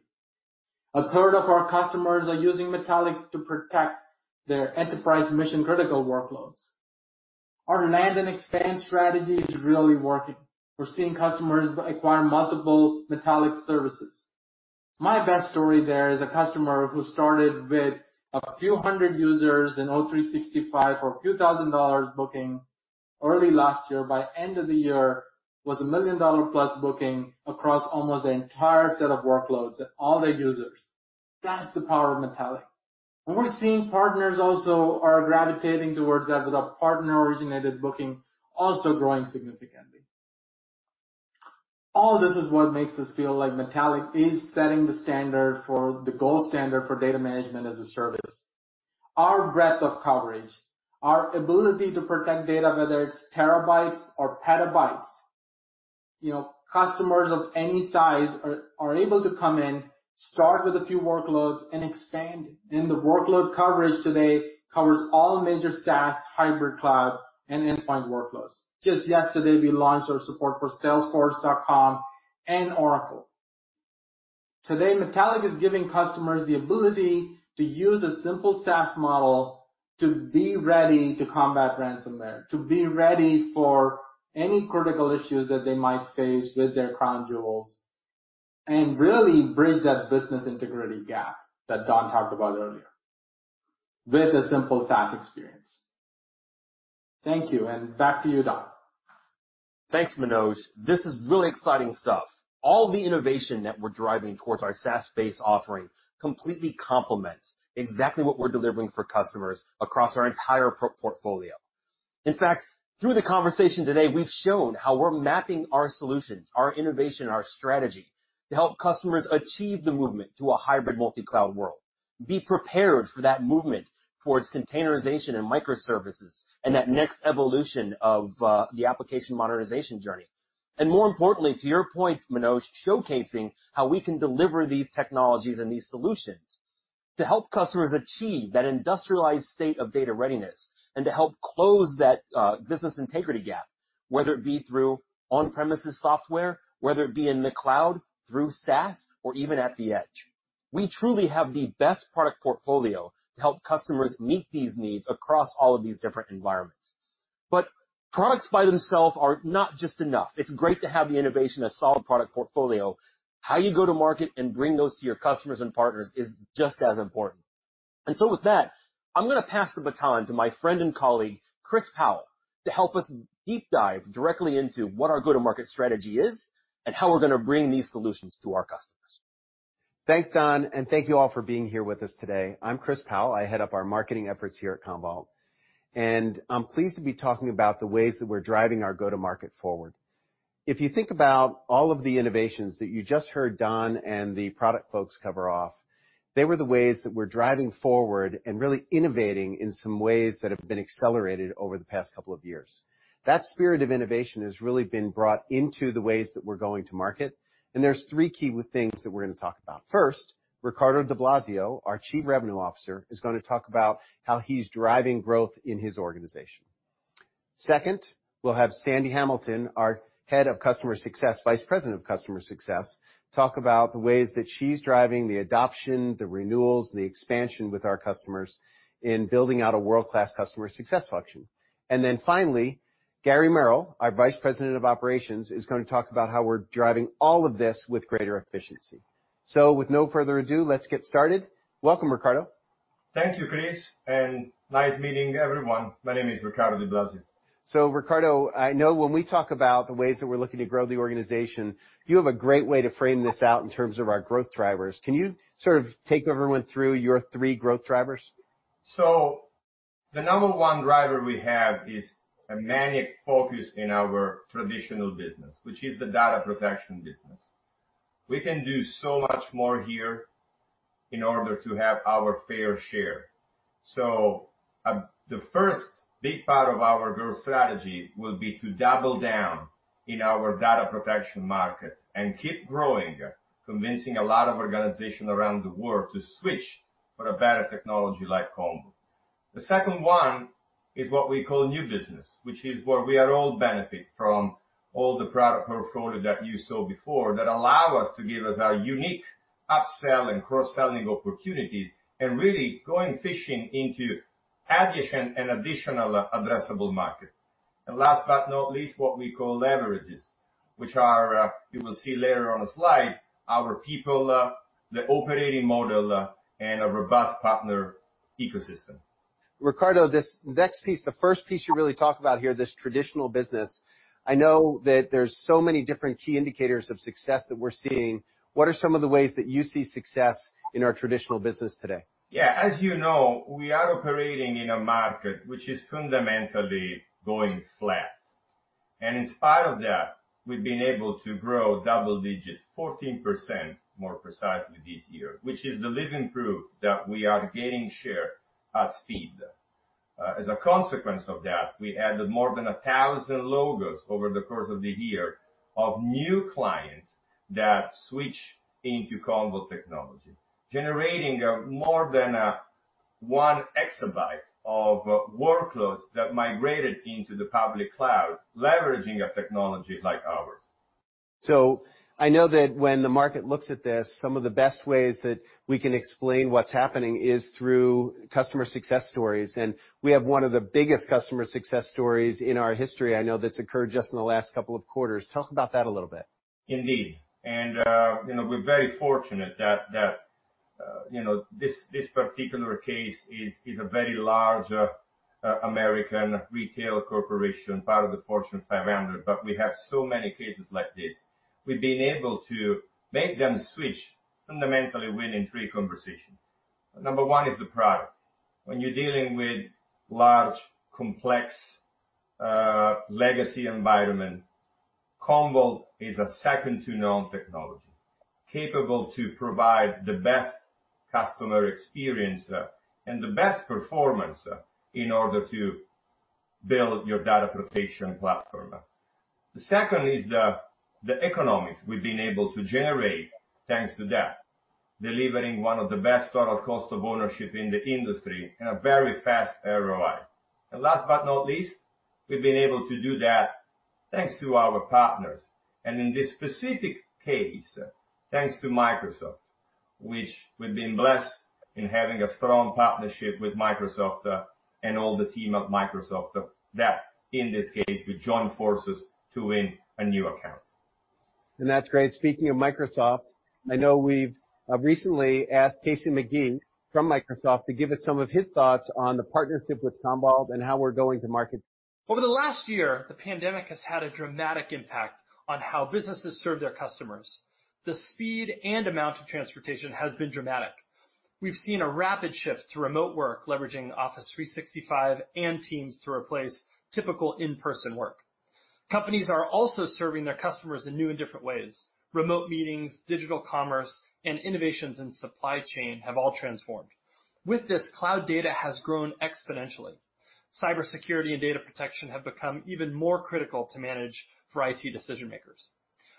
A third of our customers are using Metallic to protect their enterprise mission-critical workloads. Our land and expand strategy is really working. We're seeing customers acquire multiple Metallic services. My best story there is a customer who started with a few hundred users in O365 for a few thousand dollars booking early last year, by end of the year was $1 million-plus booking across almost the entire set of workloads and all their users. That's the power of Metallic. We're seeing partners also are gravitating towards that with our partner-originated booking also growing significantly. All this is what makes us feel like Metallic is setting the goal standard for data management as a service. Our breadth of coverage, our ability to protect data, whether it's terabytes or petabytes. Customers of any size are able to come in, start with a few workloads and expand. The workload coverage today covers all major SaaS, hybrid cloud, and endpoint workloads. Just yesterday, we launched our support for Salesforce.com and Oracle. Today, Metallic is giving customers the ability to use a simple SaaS model to be ready to combat ransomware, to be ready for any critical issues that they might face with their crown jewels, and really bridge that business integrity gap that Don talked about earlier with a simple SaaS experience. Thank you, and back to you, Don. Thanks, Manoj. This is really exciting stuff. All the innovation that we're driving towards our SaaS-based offering completely complements exactly what we're delivering for customers across our entire portfolio. In fact, through the conversation today, we've shown how we're mapping our solutions, our innovation, our strategy to help customers achieve the movement to a hybrid multi-cloud world, be prepared for that movement towards containerization and microservices and that next evolution of the application modernization journey. More importantly, to your point, Manoj, showcasing how we can deliver these technologies and these solutions to help customers achieve that industrialized state of data readiness and to help close that business integrity gap, whether it be through on-premises software, whether it be in the cloud, through SaaS, or even at the Edge. We truly have the best product portfolio to help customers meet these needs across all of these different environments. Products by themselves are not just enough. It's great to have the innovation, a solid product portfolio. How you go to market and bring those to your customers and partners is just as important. With that, I'm going to pass the baton to my friend and colleague, Chris Powell, to help us deep dive directly into what our go-to-market strategy is and how we're going to bring these solutions to our customers. Thanks, Don. Thank you all for being here with us today. I'm Chris Powell. I head up our marketing efforts here at Commvault, and I'm pleased to be talking about the ways that we're driving our go-to-market forward. If you think about all of the innovations that you just heard Don and the product folks cover off, they were the ways that we're driving forward and really innovating in some ways that have been accelerated over the past couple of years. That spirit of innovation has really been brought into the ways that we're going to market, and there's three key things that we're going to talk about. First, Riccardo Di Blasio, our Chief Revenue Officer, is going to talk about how he's driving growth in his organization. Second, we'll have Sandy Hamilton, our Head of Customer Success, Vice President of Customer Success, talk about the ways that she's driving the adoption, the renewals, the expansion with our customers in building out a world-class customer success function. Finally, Gary Merrill, our Vice President of Operations, is going to talk about how we're driving all of this with greater efficiency. With no further ado, let's get started. Welcome, Riccardo. Thank you, Chris, and nice meeting everyone. My name is Riccardo Di Blasio. Riccardo, I know when we talk about the ways that we're looking to grow the organization, you have a great way to frame this out in terms of our growth drivers. Can you sort of take everyone through your three growth drivers? The number one driver we have is a manic focus in our traditional business, which is the data protection business. We can do so much more here in order to have our fair share. The first big part of our growth strategy will be to double down in our data protection market and keep growing, convincing a lot of organizations around the world to switch for a better technology like Commvault. The second one is what we call new business, which is where we are all benefit from all the product portfolio that you saw before that allow us to give us our unique upsell and cross-selling opportunities and really going fishing into adjacent and additional addressable market. Last but not least, what we call leverages, which are, you will see later on a slide, our people, the operating model, and a robust partner ecosystem. Riccardo, this next piece, the first piece you really talk about here, this traditional business, I know that there's so many different key indicators of success that we're seeing. What are some of the ways that you see success in our traditional business today? Yeah, as you know, we are operating in a market which is fundamentally going flat. In spite of that, we've been able to grow double digits, 14% more precisely this year, which is the living proof that we are gaining share at speed. As a consequence of that, we added more than 1,000 logos over the course of the year of new clients that switch into Commvault technology, generating more than one exabyte of workloads that migrated into the public cloud, leveraging a technology like ours. I know that when the market looks at this, some of the best ways that we can explain what's happening is through customer success stories, and we have one of the biggest customer success stories in our history, I know that's occurred just in the last couple of quarters. Tell us about that a little bit? Indeed. We're very fortunate that this particular case is a very large American retail corporation, part of the Fortune 500, but we have so many cases like this. We've been able to make them switch fundamentally winning three conversations. Number one is the product. When you're dealing with large, complex, legacy environment, Commvault is a second-to-none technology, capable to provide the best customer experience and the best performance in order to build your data protection platform. The second is the economics we've been able to generate thanks to that, delivering one of the best total cost of ownership in the industry and a very fast ROI. Last but not least, we've been able to do that thanks to our partners. In this specific case, thanks to Microsoft, which we've been blessed in having a strong partnership with Microsoft and all the team of Microsoft that, in this case, we joined forces to win a new account. That's great. Speaking of Microsoft, I know we've recently asked Casey McGee from Microsoft to give us some of his thoughts on the partnership with Commvault and how we're going to market. Over the last year, the pandemic has had a dramatic impact on how businesses serve their customers. The speed and amount of transportation has been dramatic. We've seen a rapid shift to remote work leveraging Office 365 and Teams to replace typical in-person work. Companies are also serving their customers in new and different ways. Remote meetings, digital commerce, and innovations in supply chain have all transformed. With this, cloud data has grown exponentially. Cybersecurity and data protection have become even more critical to manage for IT decision-makers.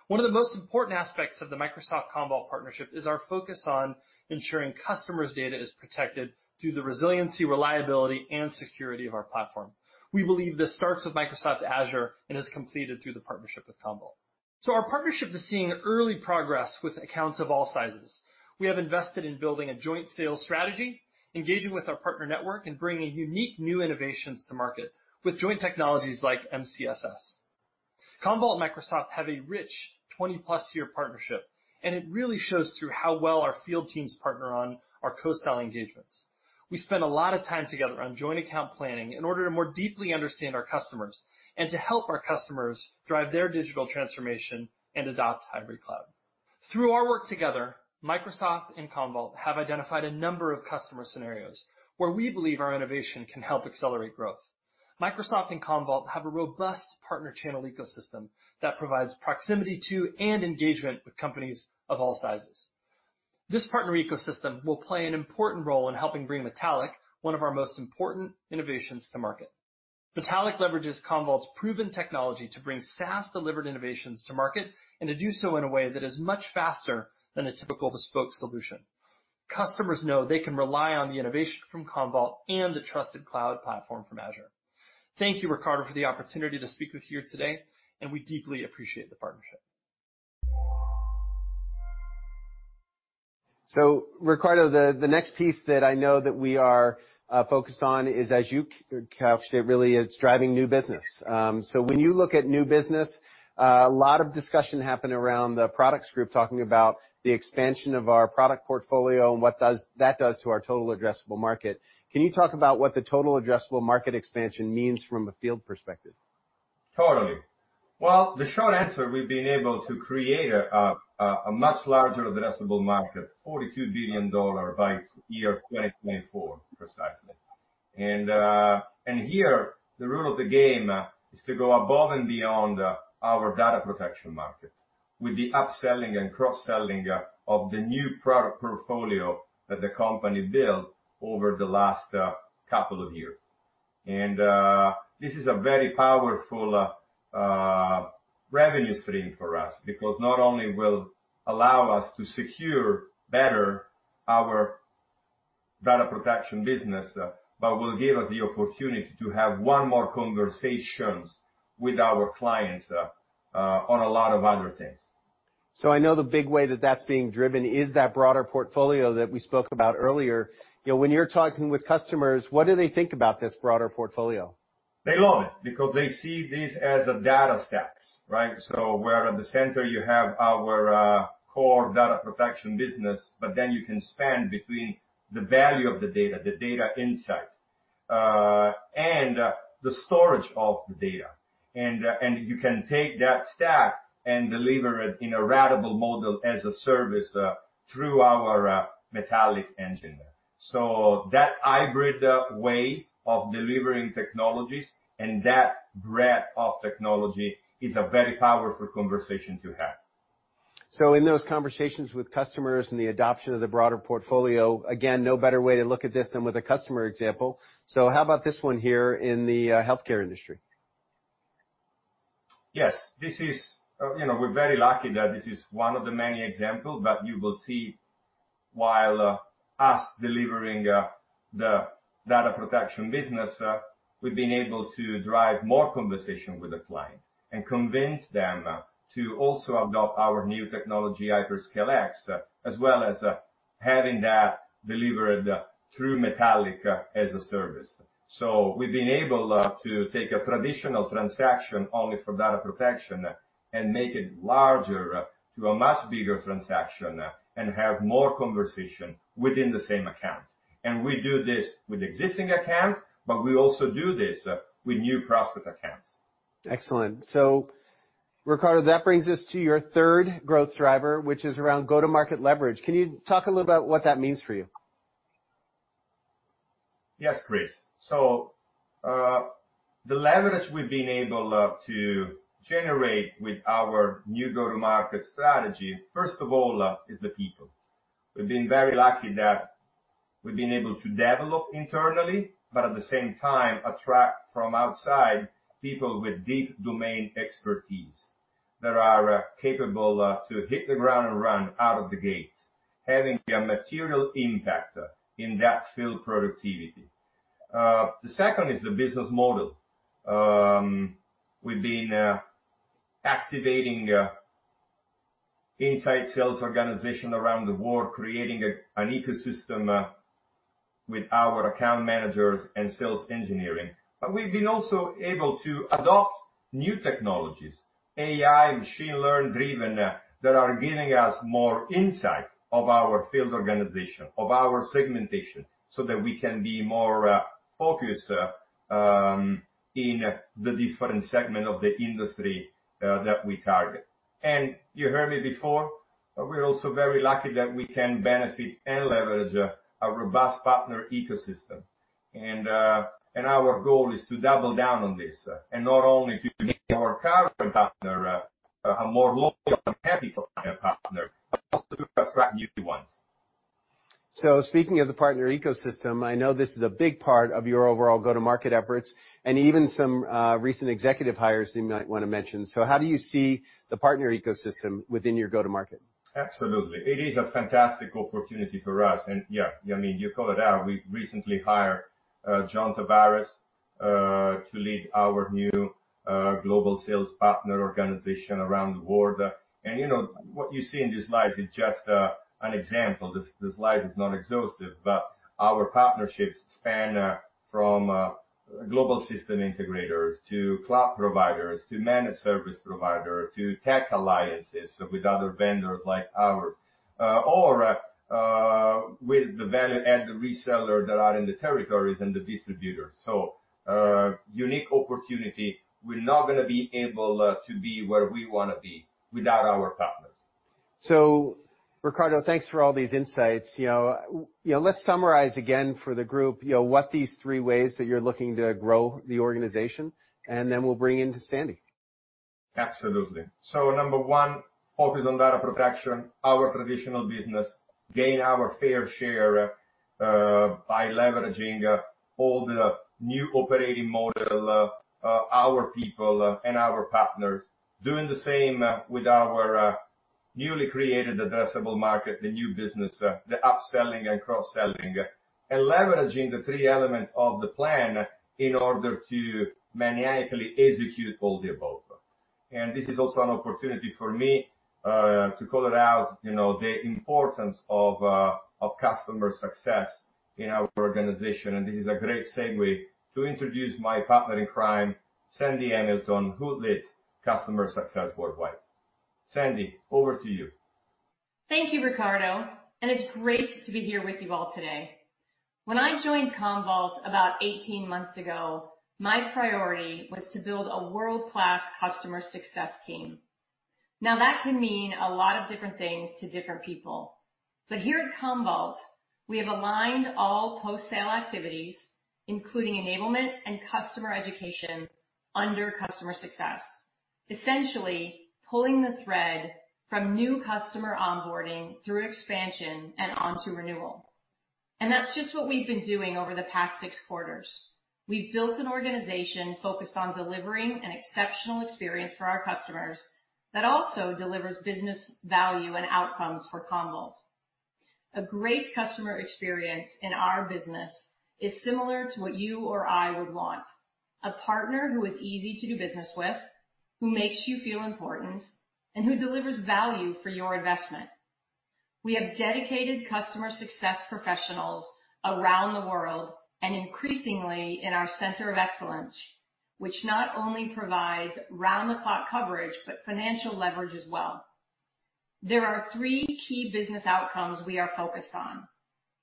One of the most important aspects of the Microsoft Commvault partnership is our focus on ensuring customers' data is protected through the resiliency, reliability, and security of our platform. We believe this starts with Microsoft Azure and is completed through the partnership with Commvault. Our partnership is seeing early progress with accounts of all sizes. We have invested in building a joint sales strategy, engaging with our partner network, and bringing unique new innovations to market with joint technologies like MCSS. Commvault and Microsoft have a rich 20-plus year partnership, and it really shows through how well our field teams partner on our co-selling engagements. We spend a lot of time together on joint account planning in order to more deeply understand our customers and to help our customers drive their digital transformation and adopt hybrid cloud. Through our work together, Microsoft and Commvault have identified a number of customer scenarios where we believe our innovation can help accelerate growth. Microsoft and Commvault have a robust partner channel ecosystem that provides proximity to and engagement with companies of all sizes. This partner ecosystem will play an important role in helping bring Metallic, one of our most important innovations to market. Metallic leverages Commvault's proven technology to bring SaaS-delivered innovations to market, and to do so in a way that is much faster than a typical bespoke solution. Customers know they can rely on the innovation from Commvault and the trusted cloud platform from Azure. Thank you, Riccardo, for the opportunity to speak with you today, and we deeply appreciate the partnership. Riccardo, the next piece that I know that we are focused on is, as you captured it really, it's driving new business. When you look at new business, a lot of discussion happened around the products group, talking about the expansion of our product portfolio and what that does to our total addressable market. Can you talk about what the total addressable market expansion means from a field perspective? Totally. Well, the short answer, we've been able to create a much larger addressable market, $42 billion by 2024, precisely. Here, the rule of the game is to go above and beyond our data protection market with the upselling and cross-selling of the new product portfolio that the company built over the last couple of years. This is a very powerful revenue stream for us, because not only will allow us to secure better our data protection business, but will give us the opportunity to have one more conversations with our clients on a lot of other things. I know the big way that that's being driven is that broader portfolio that we spoke about earlier. When you're talking with customers, what do they think about this broader portfolio? They love it because they see this as a data stack, right? Where at the center you have our core data protection business, but then you can span between the value of the data, the data insight, and the storage of the data. You can take that stack and deliver it in a ratable model as a service through our Metallic engine. That hybrid way of delivering technologies and that breadth of technology is a very powerful conversation to have. In those conversations with customers and the adoption of the broader portfolio, again, no better way to look at this than with a customer example. How about this one here in the healthcare industry? Yes. We're very lucky that this is one of the many examples that you will see while us delivering the data protection business, we've been able to drive more conversation with the client and convince them to also adopt our new technology, HyperScale X, as well as having that delivered through Metallic as a service. We've been able to take a traditional transaction only for data protection and make it larger to a much bigger transaction and have more conversation within the same account. We do this with existing account, but we also do this with new prospect accounts. Excellent. Riccardo, that brings us to your third growth driver, which is around go-to-market leverage. Can you talk a little about what that means for you? Yes, Chris. The leverage we've been able to generate with our new go-to-market strategy, first of all, is the people. We've been very lucky that we've been able to develop internally, but at the same time, attract from outside people with deep domain expertise that are capable to hit the ground and run out of the gate, having a material impact in that field productivity. The second is the business model. We've been activating inside sales organization around the world, creating an ecosystem with our account managers and sales engineering. We've been also able to adopt new technologies, AI, machine learning-driven, that are giving us more insight of our field organization, of our segmentation, so that we can be more focused in the different segment of the industry that we target. You heard me before, we're also very lucky that we can benefit and leverage a robust partner ecosystem. Our goal is to double down on this, and not only to make our current partner a more loyal and happy partner, but also to attract new ones. Speaking of the partner ecosystem, I know this is a big part of your overall go-to-market efforts, and even some recent executive hires you might want to mention. How do you see the partner ecosystem within your go-to-market? Absolutely. It is a fantastic opportunity for us. Yeah, you called it out, we recently hired John Tavares to lead our new global sales partner organization around the world. What you see in this slide is just an example. This slide is not exhaustive, but our partnerships span from Global Systems Integrators to cloud providers, to managed service provider, to tech alliances with other vendors like ours, or with the value add reseller that are in the territories and the distributors. Unique opportunity. We're not going to be able to be where we want to be without our partners. Riccardo, thanks for all these insights. Let's summarize again for the group, what these three ways that you're looking to grow the organization, and then we'll bring in to Sandy. Absolutely. Number one, focus on data protection, our traditional business. Gain our fair share by leveraging all the new operating model, our people and our partners. Doing the same with our newly created addressable market, the new business, the upselling and cross-selling, and leveraging the three elements of the plan in order to maniacally execute all the above. This is also an opportunity for me to call it out, the importance of customer success in our organization. This is a great segue to introduce my partner in crime, Sandy Hamilton, who leads customer success worldwide. Sandy, over to you. Thank you, Riccardo. It's great to be here with you all today. When I joined Commvault about 18 months ago, my priority was to build a world-class customer success team. That can mean a lot of different things to different people, but here at Commvault, we have aligned all post-sale activities, including enablement and customer education under customer success, essentially pulling the thread from new customer onboarding through expansion and onto renewal. That's just what we've been doing over the past six quarters. We've built an organization focused on delivering an exceptional experience for our customers that also delivers business value and outcomes for Commvault. A great customer experience in our business is similar to what you or I would want. A partner who is easy to do business with, who makes you feel important, and who delivers value for your investment. We have dedicated customer success professionals around the world and increasingly in our center of excellence, which not only provides round-the-clock coverage, but financial leverage as well. There are three key business outcomes we are focused on.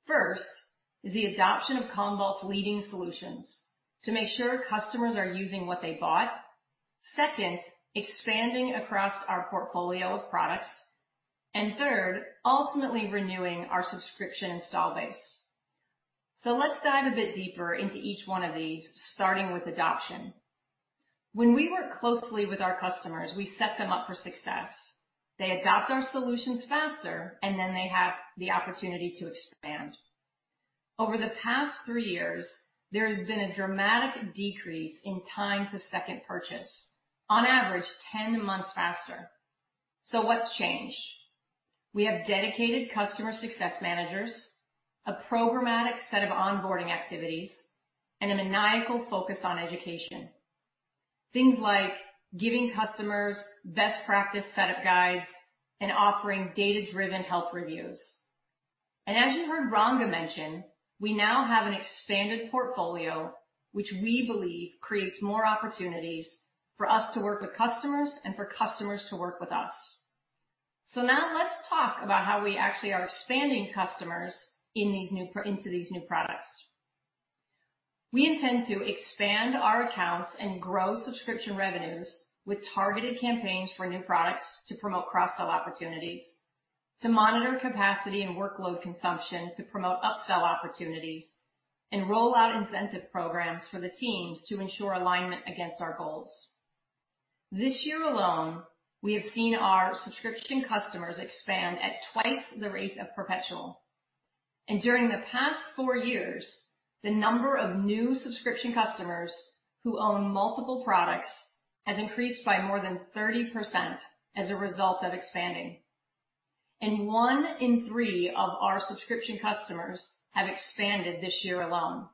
First is the adoption of Commvault's leading solutions to make sure customers are using what they bought. Second, expanding across our portfolio of products. Third, ultimately renewing our subscription install base. Let's dive a bit deeper into each one of these, starting with adoption. When we work closely with our customers, we set them up for success. They adopt our solutions faster, they have the opportunity to expand. Over the past three years, there has been a dramatic decrease in time to second purchase, on average 10 months faster. What's changed? We have dedicated customer success managers, a programmatic set of onboarding activities, and a maniacal focus on education. Things like giving customers best practice setup guides and offering data-driven health reviews. As you heard Ranga mention, we now have an expanded portfolio, which we believe creates more opportunities for us to work with customers and for customers to work with us. Now let's talk about how we actually are expanding customers into these new products. We intend to expand our accounts and grow subscription revenues with targeted campaigns for new products to promote cross-sell opportunities, to monitor capacity and workload consumption to promote upsell opportunities, and roll out incentive programs for the teams to ensure alignment against our goals. This year alone, we have seen our subscription customers expand at twice the rate of perpetual. During the past four years, the number of new subscription customers who own multiple products has increased by more than 30% as a result of expanding. One in 3 of our subscription customers have expanded this year alone.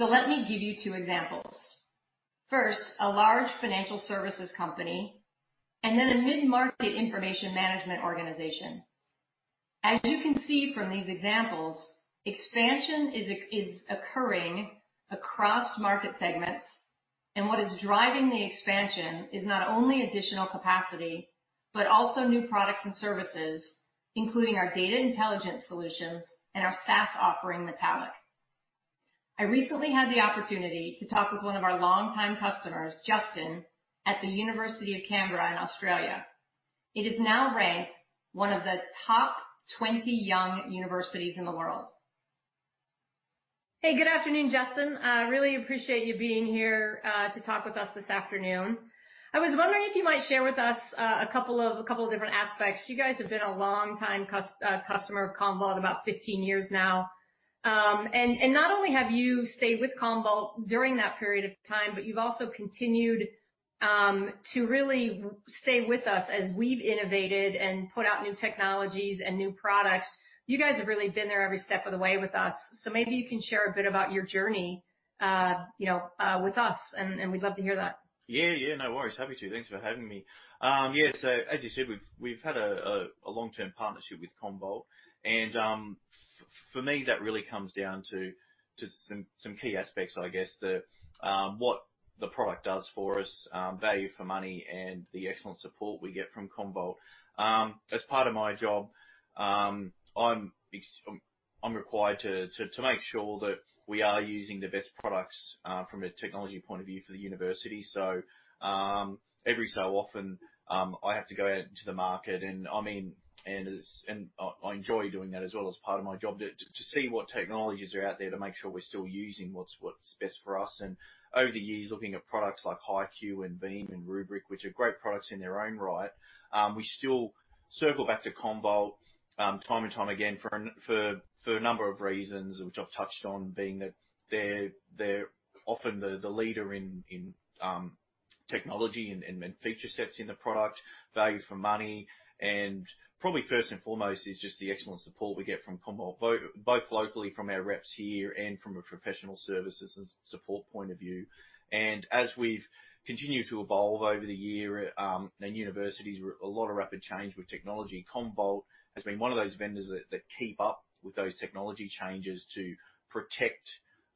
Let me give you two examples. First, a large financial services company, and then a mid-market information management organization. As you can see from these examples, expansion is occurring across market segments, and what is driving the expansion is not only additional capacity, but also new products and services, including our data intelligence solutions and our SaaS offering, Metallic. I recently had the opportunity to talk with one of our longtime customers, Justin, at the University of Canberra in Australia. It is now ranked one of the top 20 young universities in the world. Hey, good afternoon, Justin. I really appreciate you being here to talk with us this afternoon. I was wondering if you might share with us a couple of different aspects. You guys have been a longtime customer of Commvault, about 15 years now. Not only have you stayed with Commvault during that period of time, but you've also continued to really stay with us as we've innovated and put out new technologies and new products. You guys have really been there every step of the way with us. Maybe you can share a bit about your journey with us, and we'd love to hear that. Yeah. No worries. Happy to. Thanks for having me. Yeah. As you said, we've had a long-term partnership with Commvault, and for me, that really comes down to some key aspects, I guess. What the product does for us, value for money, and the excellent support we get from Commvault. As part of my job, I'm required to make sure that we are using the best products, from a technology point of view, for the university. Every so often, I have to go out into the market, and I enjoy doing that as well as part of my job, to see what technologies are out there, to make sure we're still using what's best for us. Over the years, looking at products like HYCU and Veeam and Rubrik, which are great products in their own right, we still circle back to Commvault, time and time again for a number of reasons, which I've touched on, being that they're often the leader in technology and feature sets in the product, value for money, and probably first and foremost is just the excellent support we get from Commvault, both locally from our reps here and from a professional services and support point of view. As we've continued to evolve over the year, and universities, a lot of rapid change with technology, Commvault has been one of those vendors that keep up with those technology changes to protect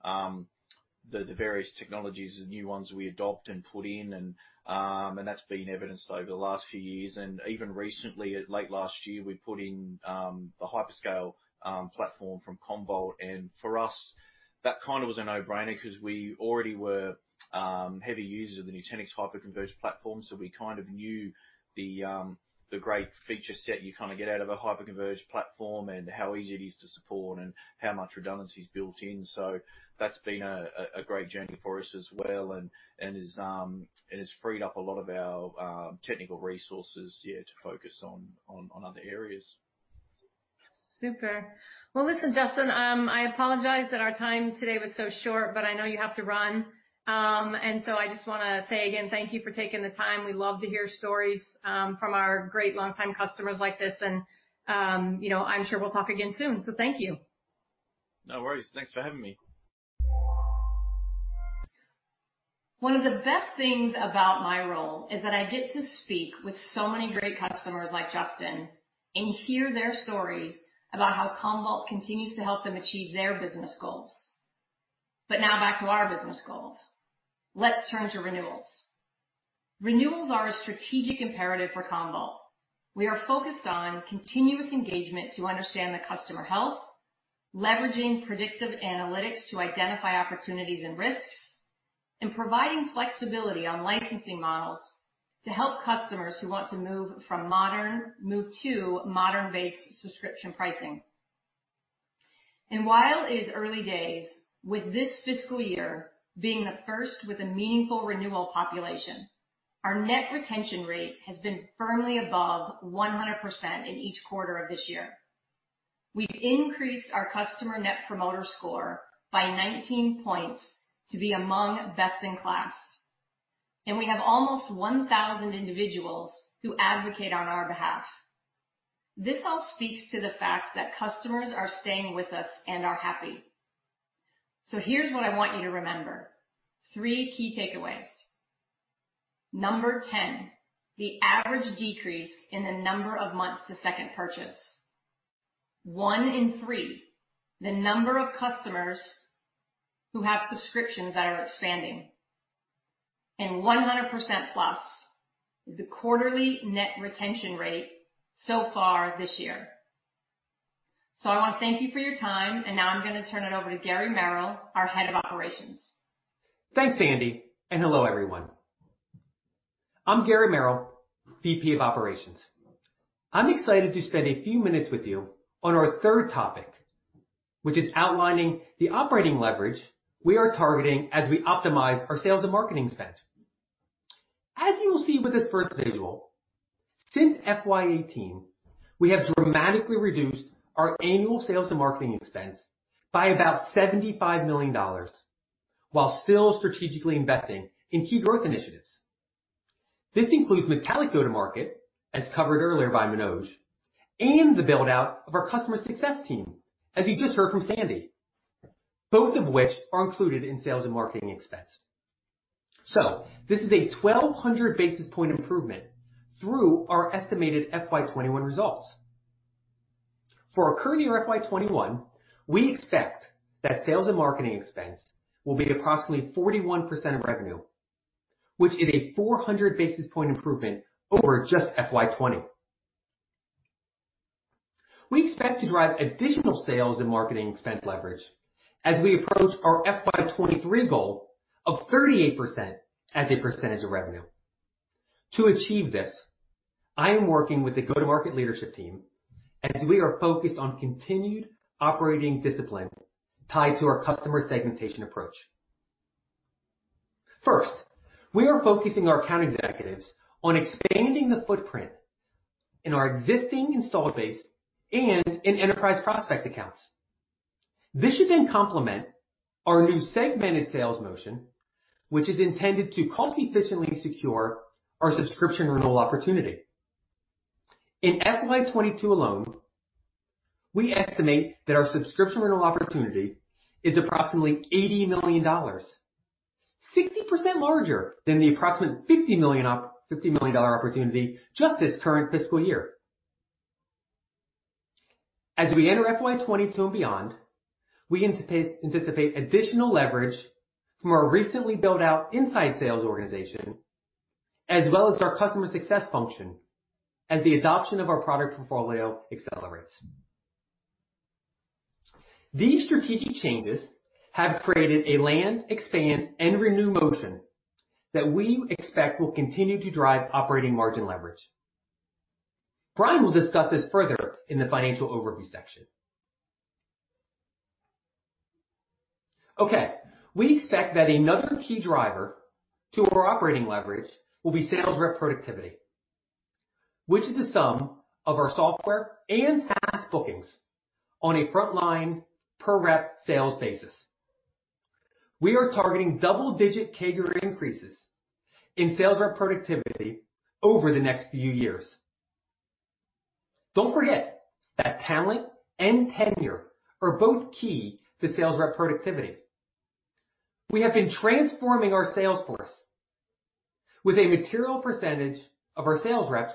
the various technologies and new ones we adopt and put in, and that's been evidenced over the last few years. Even recently, late last year, we put in the HyperScale platform from Commvault. For us, that was a no-brainer because we already were heavy users of the Nutanix hyperconverged platform. We kind of knew the great feature set you get out of a hyperconverged platform and how easy it is to support and how much redundancy is built-in. That's been a great journey for us as well and has freed up a lot of our technical resources, yeah, to focus on other areas. Super. Well, listen, Justin, I apologize that our time today was so short, but I know you have to run. I just want to say again, thank you for taking the time. We love to hear stories from our great longtime customers like this, and I'm sure we'll talk again soon. Thank you. No worries. Thanks for having me. One of the best things about my role is that I get to speak with so many great customers like Justin and hear their stories about how Commvault continues to help them achieve their business goals. Now back to our business goals. Let's turn to renewals. Renewals are a strategic imperative for Commvault. We are focused on continuous engagement to understand the customer health, leveraging predictive analytics to identify opportunities and risks, and providing flexibility on licensing models to help customers who want to move to modern-based subscription pricing. While it is early days with this fiscal year being the first with a meaningful renewal population, our net retention rate has been firmly above 100% in each quarter of this year. We've increased our customer net promoter score by 19 points to be among best in class. We have almost 1,000 individuals who advocate on our behalf. This all speaks to the fact that customers are staying with us and are happy. Here's what I want you to remember. Three key takeaways. Number 10, the average decrease in the number of months to second purchase. One in three, the number of customers who have subscriptions that are expanding. 100% plus is the quarterly net retention rate so far this year. I want to thank you for your time, and now I'm going to turn it over to Gary Merrill, our head of operations. Thanks, Sandy, and hello, everyone. I'm Gary Merrill, VP of Operations. I'm excited to spend a few minutes with you on our third topic, which is outlining the operating leverage we are targeting as we optimize our sales and marketing spend. As you will see with this first visual, since FY 2018, we have dramatically reduced our annual sales and marketing expense by about $75 million while still strategically investing in key growth initiatives. This includes Metallic go-to-market, as covered earlier by Manoj, and the build-out of our customer success team, as you just heard from Sandy, both of which are included in sales and marketing expense. This is a 1,200 basis point improvement through our estimated FY 2021 results. For our current year, FY 2021, we expect that sales and marketing expense will be approximately 41% of revenue, which is a 400 basis point improvement over just FY 2020. We expect to drive additional sales and marketing expense leverage as we approach our FY 2023 goal of 38% as a percentage of revenue. To achieve this, I am working with the go-to-market leadership team as we are focused on continued operating discipline tied to our customer segmentation approach. First, we are focusing our account executives on expanding the footprint in our existing installed base and in enterprise prospect accounts. This should complement our new segmented sales motion, which is intended to cost efficiently secure our subscription renewal opportunity. In FY 2022 alone, we estimate that our subscription renewal opportunity is approximately $80 million, 60% larger than the approximate $50 million opportunity just this current fiscal year. As we enter FY 2022 and beyond, we anticipate additional leverage from our recently built out inside sales organization, as well as our customer success function as the adoption of our product portfolio accelerates. These strategic changes have created a land, expand, and renew motion that we expect will continue to drive operating margin leverage. Brian will discuss this further in the financial overview section. Okay. We expect that another key driver to our operating leverage will be sales rep productivity, which is the sum of our software and SaaS bookings on a frontline per-rep sales basis. We are targeting double-digit CAGR increases in sales rep productivity over the next few years. Don't forget that talent and tenure are both key to sales rep productivity. We have been transforming our sales force with a material percentage of our sales reps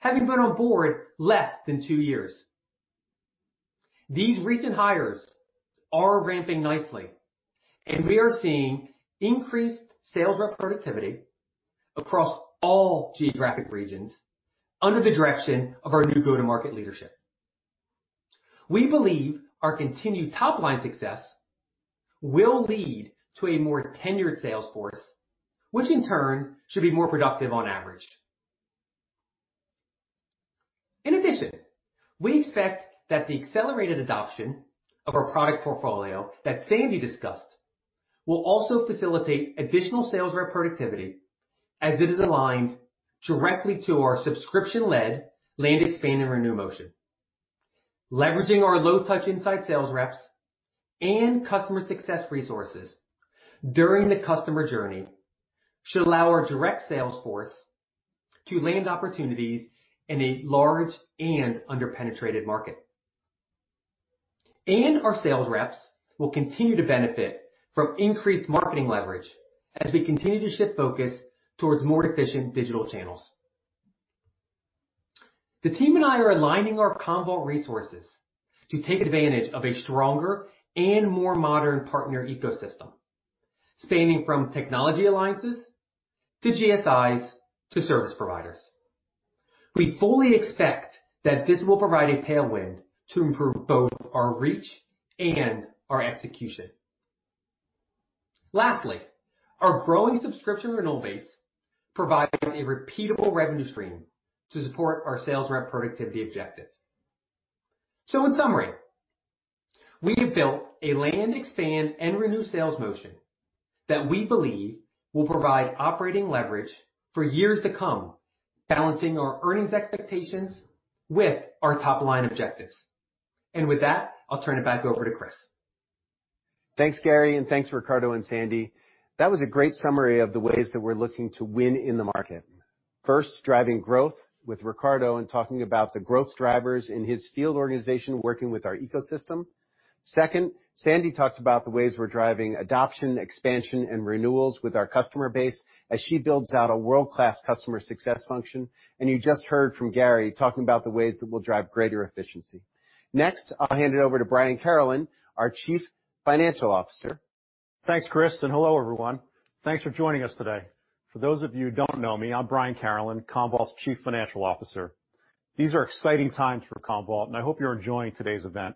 having been on board less than two years. These recent hires are ramping nicely, and we are seeing increased sales rep productivity across all geographic regions under the direction of our new go-to-market leadership. We believe our continued top-line success will lead to a more tenured sales force, which in turn should be more productive on average. In addition, we expect that the accelerated adoption of our product portfolio that Sandy discussed will also facilitate additional sales rep productivity as it is aligned directly to our subscription-led land, expand, and renew motion. Leveraging our low-touch inside sales reps and customer success resources during the customer journey should allow our direct sales force to land opportunities in a large and under-penetrated market. Our sales reps will continue to benefit from increased marketing leverage as we continue to shift focus towards more efficient digital channels. The team and I are aligning our Commvault resources to take advantage of a stronger and more modern partner ecosystem, spanning from technology alliances to GSIs to service providers. We fully expect that this will provide a tailwind to improve both our reach and our execution. Lastly, our growing subscription renewal base provides a repeatable revenue stream to support our sales rep productivity objective. In summary, we have built a land expand and renew sales motion that we believe will provide operating leverage for years to come, balancing our earnings expectations with our top-line objectives. With that, I'll turn it back over to Chris. Thanks, Gary, and thanks, Riccardo and Sandy. That was a great summary of the ways that we're looking to win in the market. First, driving growth with Riccardo and talking about the growth drivers in his field organization, working with our ecosystem. Second, Sandy talked about the ways we're driving adoption, expansion, and renewals with our customer base as she builds out a world-class customer success function. You just heard from Gary talking about the ways that we'll drive greater efficiency. Next, I'll hand it over to Brian Carolan, our Chief Financial Officer. Thanks, Chris, and hello, everyone. Thanks for joining us today. For those of you who don't know me, I'm Brian Carolan, Commvault's Chief Financial Officer. These are exciting times for Commvault, and I hope you're enjoying today's event.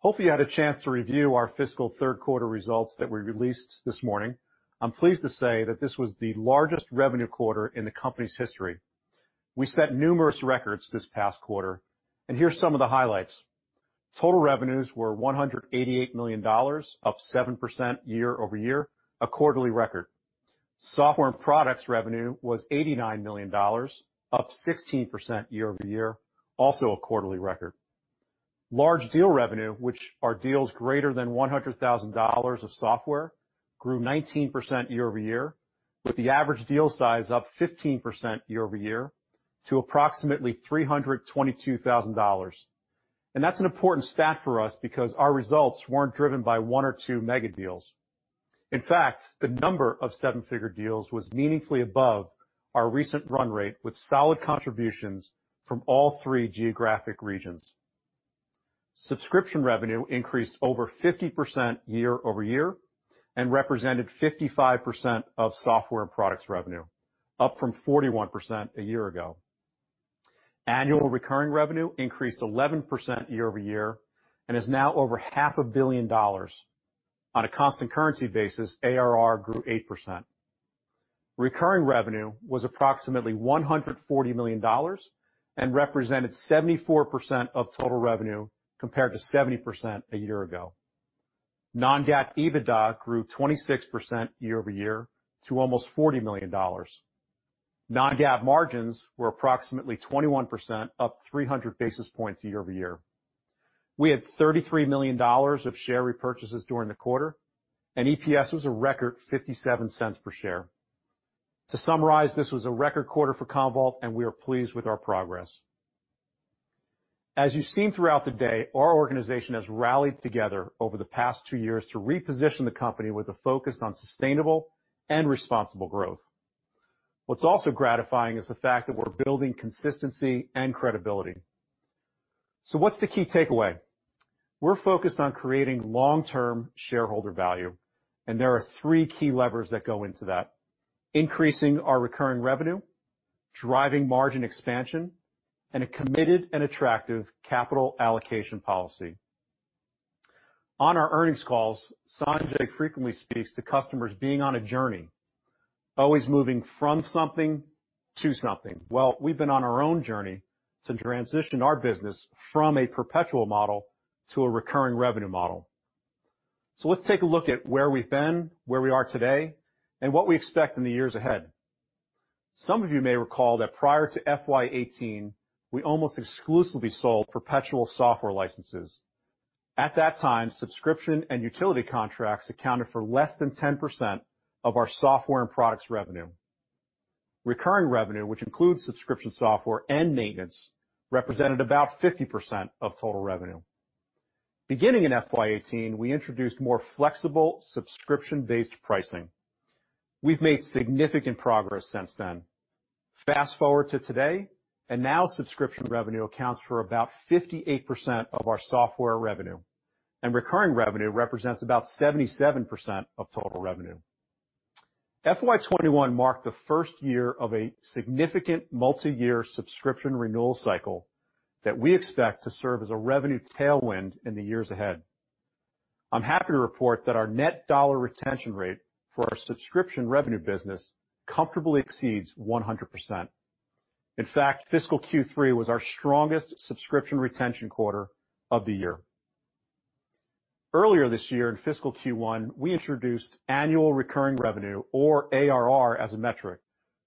Hopefully you had a chance to review our fiscal third quarter results that were released this morning. I'm pleased to say that this was the largest revenue quarter in the company's history. We set numerous records this past quarter, and here are some of the highlights. Total revenues were $188 million, up 7% year-over-year, a quarterly record. Software and products revenue was $89 million, up 16% year-over-year, also a quarterly record. Large deal revenue, which are deals greater than $100,000 of software, grew 19% year-over-year with the average deal size up 15% year-over-year to approximately $322,000. That's an important stat for us because our results weren't driven by one or two mega deals. In fact, the number of seven-figure deals was meaningfully above our recent run rate with solid contributions from all three geographic regions. Subscription revenue increased over 50% year-over-year and represented 55% of software and products revenue, up from 41% a year ago. Annual Recurring Revenue increased 11% year-over-year and is now over half a billion dollars. On a constant currency basis, ARR grew 8%. Recurring revenue was approximately $140 million and represented 74% of total revenue, compared to 70% a year ago. Non-GAAP EBITDA grew 26% year-over-year to almost $40 million. Non-GAAP margins were approximately 21% up 300 basis points year-over-year. We had $33 million of share repurchases during the quarter, and EPS was a record $0.57 per share. To summarize, this was a record quarter for Commvault, and we are pleased with our progress. As you've seen throughout the day, our organization has rallied together over the past two years to reposition the company with a focus on sustainable and responsible growth. What's also gratifying is the fact that we're building consistency and credibility. What's the key takeaway? We're focused on creating long-term shareholder value, and there are three key levers that go into that. Increasing our recurring revenue, driving margin expansion, and a committed and attractive capital allocation policy. On our earnings calls, Sanjay frequently speaks to customers being on a journey, always moving from something to something. Well, we've been on our own journey to transition our business from a perpetual model to a recurring revenue model. Let's take a look at where we've been, where we are today, and what we expect in the years ahead. Some of you may recall that prior to FY 2018, we almost exclusively sold perpetual software licenses. At that time, subscription and utility contracts accounted for less than 10% of our software and products revenue. Recurring revenue, which includes subscription software and maintenance, represented about 50% of total revenue. Beginning in FY 2018, we introduced more flexible subscription-based pricing. We've made significant progress since then. Fast-forward to today, now subscription revenue accounts for about 58% of our software revenue, and recurring revenue represents about 77% of total revenue. FY 2021 marked the first year of a significant multiyear subscription renewal cycle that we expect to serve as a revenue tailwind in the years ahead. I'm happy to report that our net dollar retention rate for our subscription revenue business comfortably exceeds 100%. In fact, fiscal Q3 was our strongest subscription retention quarter of the year. Earlier this year in fiscal Q1, we introduced annual recurring revenue, or ARR, as a metric.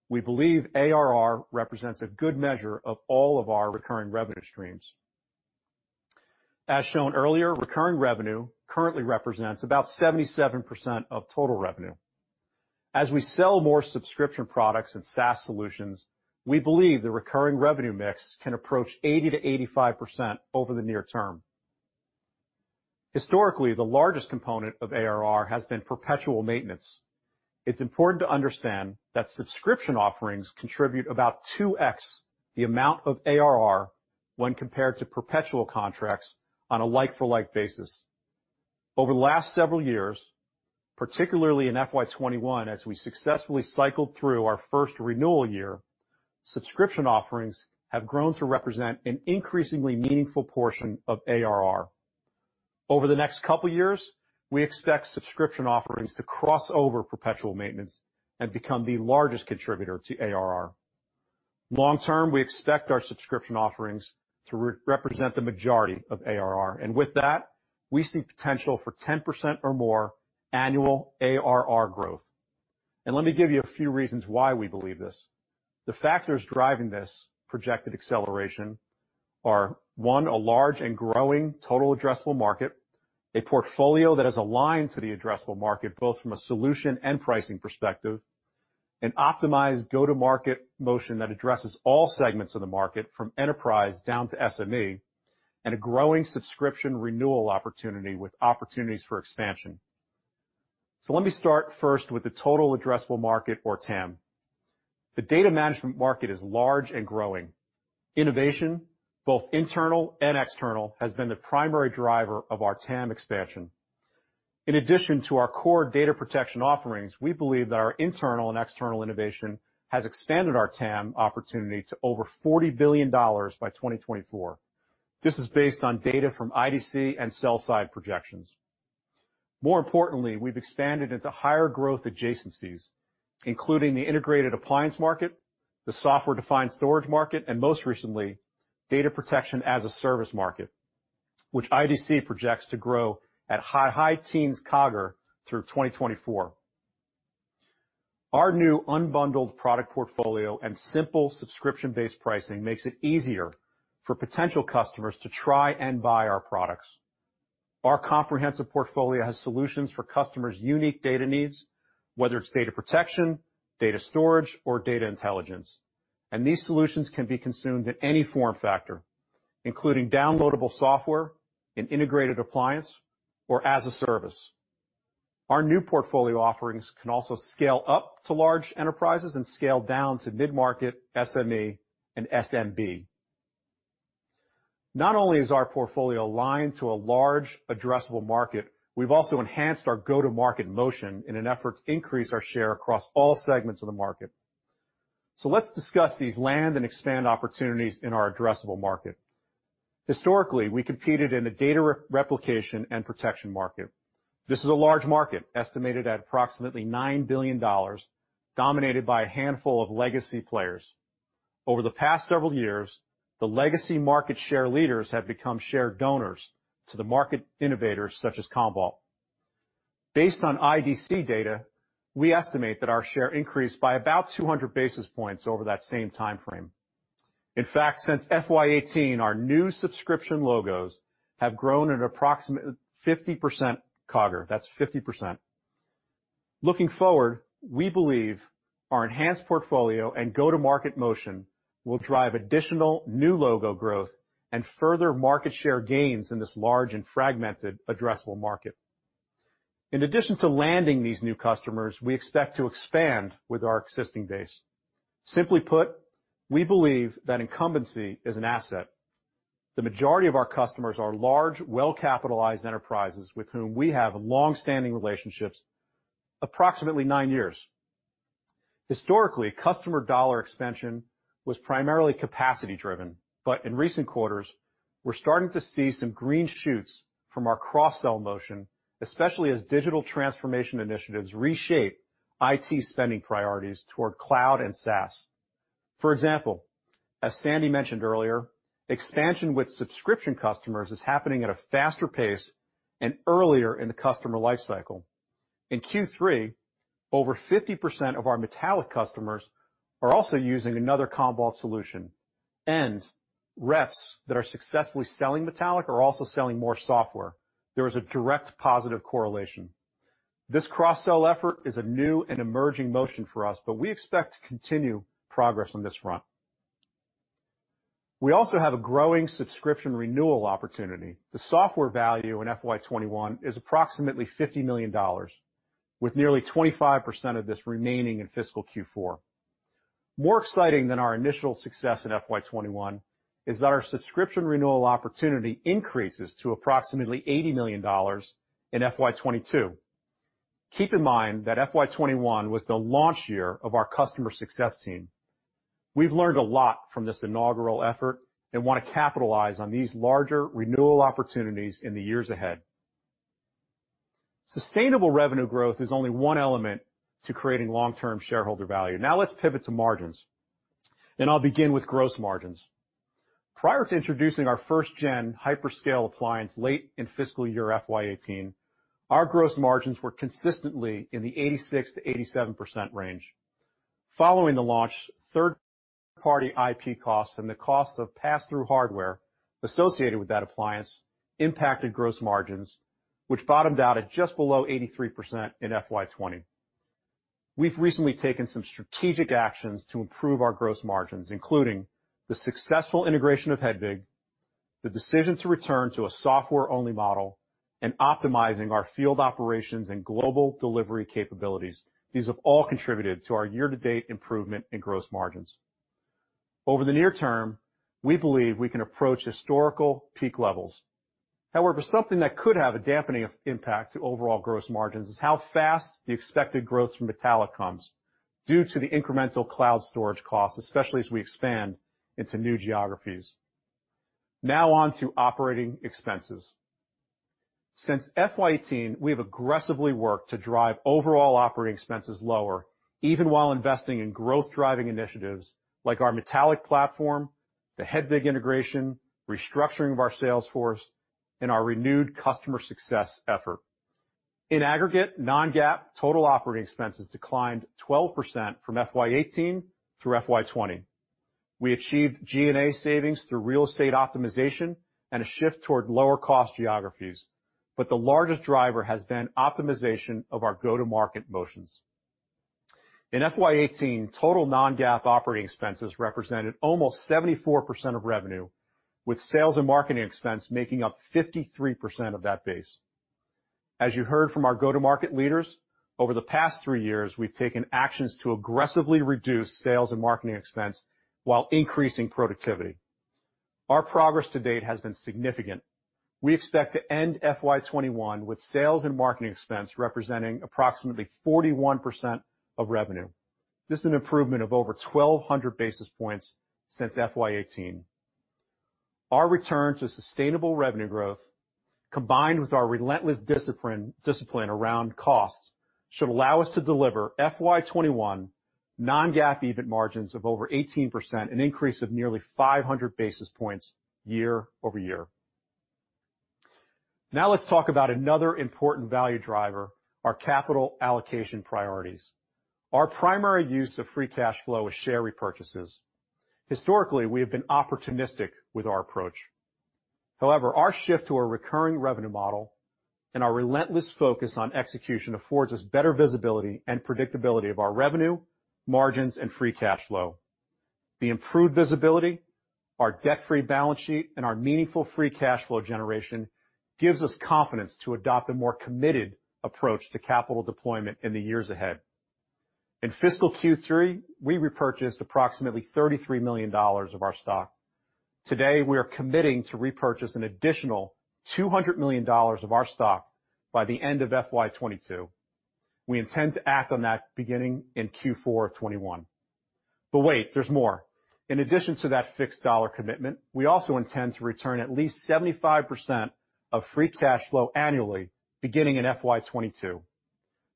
We believe ARR represents a good measure of all of our recurring revenue streams. As shown earlier, recurring revenue currently represents about 77% of total revenue. As we sell more subscription products and SaaS solutions, we believe the recurring revenue mix can approach 80%-85% over the near term. Historically, the largest component of ARR has been perpetual maintenance. It's important to understand that subscription offerings contribute about 2x the amount of ARR when compared to perpetual contracts on a like-for-like basis. Over the last several years, particularly in FY 2021, as we successfully cycled through our first renewal year subscription offerings have grown to represent an increasingly meaningful portion of ARR. Over the next couple of years, we expect subscription offerings to cross over perpetual maintenance and become the largest contributor to ARR. Long term, we expect our subscription offerings to represent the majority of ARR. With that, we see potential for 10% or more annual ARR growth. Let me give you a few reasons why we believe this. The factors driving this projected acceleration are, one, a large and growing total addressable market, a portfolio that is aligned to the addressable market, both from a solution and pricing perspective, an optimized go-to-market motion that addresses all segments of the market from enterprise down to SME, and a growing subscription renewal opportunity with opportunities for expansion. Let me start first with the total addressable market, or TAM. The data management market is large and growing. Innovation, both internal and external, has been the primary driver of our TAM expansion. In addition to our core data protection offerings, we believe that our internal and external innovation has expanded our TAM opportunity to over $40 billion by 2024. This is based on data from IDC and sell side projections. More importantly, we've expanded into higher growth adjacencies, including the integrated appliance market, the software-defined storage market, and most recently, data protection as a service market, which IDC projects to grow at high teens CAGR through 2024. Our new unbundled product portfolio and simple subscription-based pricing makes it easier for potential customers to try and buy our products. Our comprehensive portfolio has solutions for customers' unique data needs, whether it's data protection, data storage, or data intelligence. These solutions can be consumed in any form factor, including downloadable software, an integrated appliance, or as a service. Our new portfolio offerings can also scale up to large enterprises and scale down to mid-market SME and SMB. Not only is our portfolio aligned to a large addressable market, we've also enhanced our go-to-market motion in an effort to increase our share across all segments of the market. Let's discuss these land and expand opportunities in our addressable market. Historically, we competed in the data replication and protection market. This is a large market, estimated at approximately $9 billion, dominated by a handful of legacy players. Over the past several years, the legacy market share leaders have become share donors to the market innovators such as Commvault. Based on IDC data, we estimate that our share increased by about 200 basis points over that same timeframe. In fact, since FY 2018, our new subscription logos have grown at approximately 50% CAGR. That's 50%. Looking forward, we believe our enhanced portfolio and go-to-market motion will drive additional new logo growth and further market share gains in this large and fragmented addressable market. In addition to landing these new customers, we expect to expand with our existing base. Simply put, we believe that incumbency is an asset. The majority of our customers are large, well-capitalized enterprises with whom we have long-standing relationships, approximately nine years. Historically, customer dollar expansion was primarily capacity driven. In recent quarters, we're starting to see some green shoots from our cross-sell motion, especially as digital transformation initiatives reshape IT spending priorities toward cloud and SaaS. For example, as Sandy mentioned earlier, expansion with subscription customers is happening at a faster pace and earlier in the customer life cycle. In Q3, over 50% of our Metallic customers are also using another Commvault solution, and reps that are successfully selling Metallic are also selling more software. There is a direct positive correlation. This cross-sell effort is a new and emerging motion for us, but we expect to continue progress on this front. We also have a growing subscription renewal opportunity. The software value in FY 2021 is approximately $50 million, with nearly 25% of this remaining in fiscal Q4. More exciting than our initial success in FY 2021 is that our subscription renewal opportunity increases to approximately $80 million in FY 2022. Keep in mind that FY 2021 was the launch year of our customer success team. We've learned a lot from this inaugural effort and want to capitalize on these larger renewal opportunities in the years ahead. Sustainable revenue growth is only one element to creating long-term shareholder value. Now let's pivot to margins, and I'll begin with gross margins. Prior to introducing our first gen hyperscale appliance late in FY 2018, our gross margins were consistently in the 86%-87% range. Following the launch, third party IP costs and the cost of pass-through hardware associated with that appliance impacted gross margins, which bottomed out at just below 83% in FY 2020. We've recently taken some strategic actions to improve our gross margins, including the successful integration of Hedvig, the decision to return to a software-only model, and optimizing our field operations and global delivery capabilities. These have all contributed to our year-to-date improvement in gross margins. Over the near term, we believe we can approach historical peak levels. Something that could have a dampening impact to overall gross margins is how fast the expected growth from Metallic comes due to the incremental cloud storage costs, especially as we expand into new geographies. On to operating expenses. Since FY 2018, we have aggressively worked to drive overall operating expenses lower, even while investing in growth-driving initiatives like our Metallic platform, the Hedvig integration, restructuring of our sales force, and our renewed customer success effort. In aggregate, non-GAAP total operating expenses declined 12% from FY 2018 through FY 2020. We achieved G&A savings through real estate optimization and a shift toward lower-cost geographies, but the largest driver has been optimization of our go-to-market motions. In FY 2018, total non-GAAP operating expenses represented almost 74% of revenue, with sales and marketing expense making up 53% of that base. As you heard from our go-to-market leaders, over the past three years, we've taken actions to aggressively reduce sales and marketing expense while increasing productivity. Our progress to date has been significant. We expect to end FY 2021 with sales and marketing expense representing approximately 41% of revenue. This is an improvement of over 1,200 basis points since FY 2018. Our return to sustainable revenue growth, combined with our relentless discipline around costs, should allow us to deliver FY 2021 non-GAAP EBIT margins of over 18%, an increase of nearly 500 basis points year-over-year. Let's talk about another important value driver, our capital allocation priorities. Our primary use of free cash flow is share repurchases. Historically, we have been opportunistic with our approach. Our shift to a recurring revenue model and our relentless focus on execution affords us better visibility and predictability of our revenue, margins, and free cash flow. The improved visibility, our debt-free balance sheet, and our meaningful free cash flow generation gives us confidence to adopt a more committed approach to capital deployment in the years ahead. In fiscal Q3, we repurchased approximately $33 million of our stock. Today, we are committing to repurchase an additional $200 million of our stock by the end of FY 2022. We intend to act on that beginning in Q4 2021. Wait, there's more. In addition to that fixed dollar commitment, we also intend to return at least 75% of free cash flow annually beginning in FY 2022.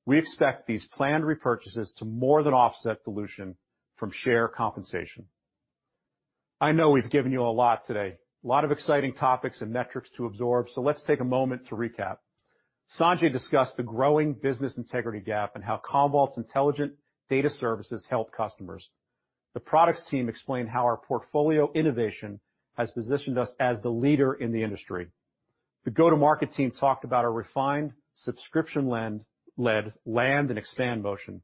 We expect these planned repurchases to more than offset dilution from share compensation. I know we've given you a lot today, a lot of exciting topics and metrics to absorb, let's take a moment to recap. Sanjay discussed the growing business integrity gap and how Commvault's intelligent data services help customers. The products team explained how our portfolio innovation has positioned us as the leader in the industry. The go-to-market team talked about a refined subscription-led land and expand motion,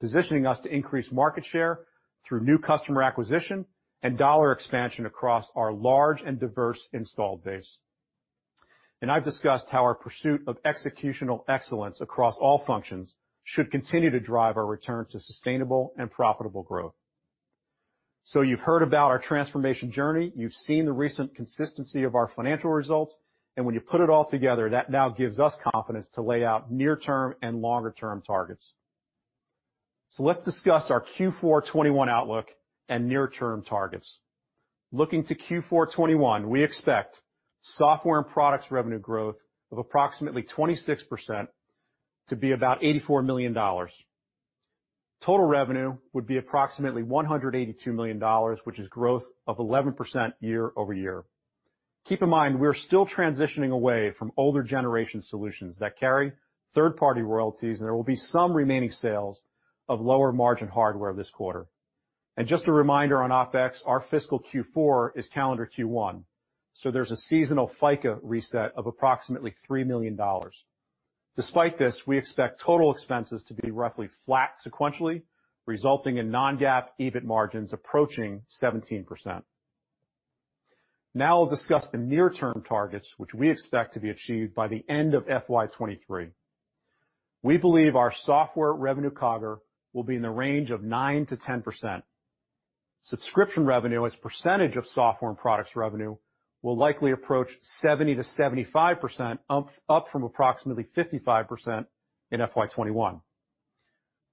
positioning us to increase market share through new customer acquisition and dollar expansion across our large and diverse installed base. I've discussed how our pursuit of executional excellence across all functions should continue to drive our return to sustainable and profitable growth. You've heard about our transformation journey. You've seen the recent consistency of our financial results. When you put it all together, that now gives us confidence to lay out near-term and longer-term targets. Let's discuss our Q4 2021 outlook and near-term targets. Looking to Q4 2021, we expect software and products revenue growth of approximately 26% to be about $84 million. Total revenue would be approximately $182 million, which is growth of 11% year-over-year. Keep in mind, we're still transitioning away from older generation solutions that carry third-party royalties, there will be some remaining sales of lower-margin hardware this quarter. Just a reminder on OpEx, our fiscal Q4 is calendar Q1, so there's a seasonal FICA reset of approximately $3 million. Despite this, we expect total expenses to be roughly flat sequentially, resulting in non-GAAP EBIT margins approaching 17%. Now I'll discuss the near-term targets, which we expect to be achieved by the end of FY 2023. We believe our software revenue CAGR will be in the range of 9%-10%. Subscription revenue as % of software and products revenue will likely approach 70%-75%, up from approximately 55% in FY 2021.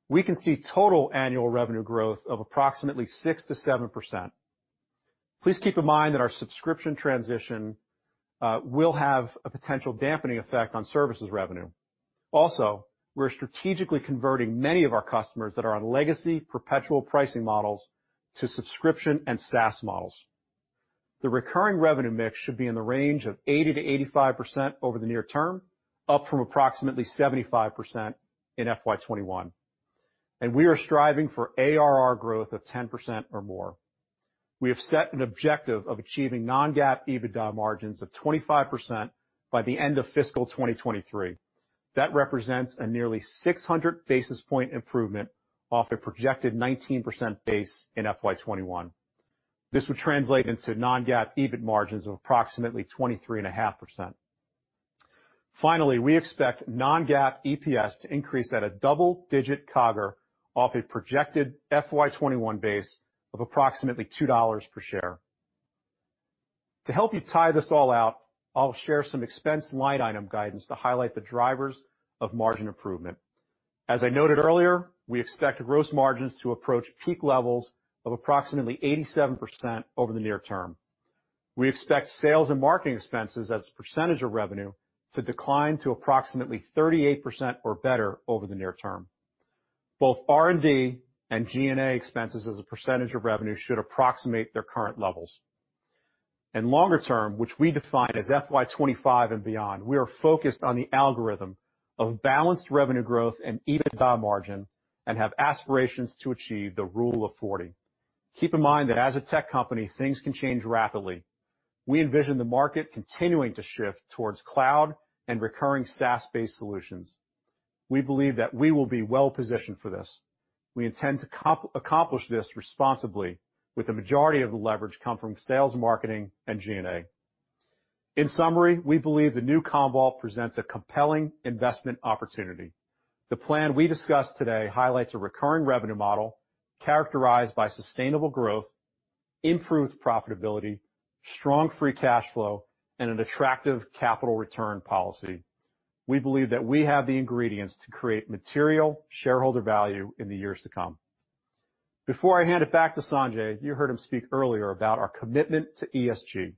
We can see total annual revenue growth of approximately 6%-7%. Please keep in mind that our subscription transition will have a potential dampening effect on services revenue. We're strategically converting many of our customers that are on legacy perpetual pricing models to subscription and SaaS models. The recurring revenue mix should be in the range of 80%-85% over the near term, up from approximately 75% in FY 2021. We are striving for ARR growth of 10% or more. We have set an objective of achieving non-GAAP EBITDA margins of 25% by the end of fiscal 2023. That represents a nearly 600 basis point improvement off a projected 19% base in FY 2021. This would translate into non-GAAP EBIT margins of approximately 23.5%. Finally, we expect non-GAAP EPS to increase at a double-digit CAGR off a projected FY 2021 base of approximately $2 per share. To help you tie this all out, I'll share some expense line item guidance to highlight the drivers of margin improvement. As I noted earlier, we expect gross margins to approach peak levels of approximately 87% over the near term. We expect sales and marketing expenses as a percentage of revenue to decline to approximately 38% or better over the near term. Both R&D and G&A expenses as a percentage of revenue should approximate their current levels. Longer term, which we define as FY 2025 and beyond, we are focused on the algorithm of balanced revenue growth and EBITDA margin and have aspirations to achieve the Rule of 40. Keep in mind that as a tech company, things can change rapidly. We envision the market continuing to shift towards cloud and recurring SaaS-based solutions. We believe that we will be well-positioned for this. We intend to accomplish this responsibly with the majority of the leverage coming from sales, marketing, and G&A. In summary, we believe the new Commvault presents a compelling investment opportunity. The plan we discussed today highlights a recurring revenue model characterized by sustainable growth, improved profitability, strong free cash flow, and an attractive capital return policy. We believe that we have the ingredients to create material shareholder value in the years to come. Before I hand it back to Sanjay, you heard him speak earlier about our commitment to ESG.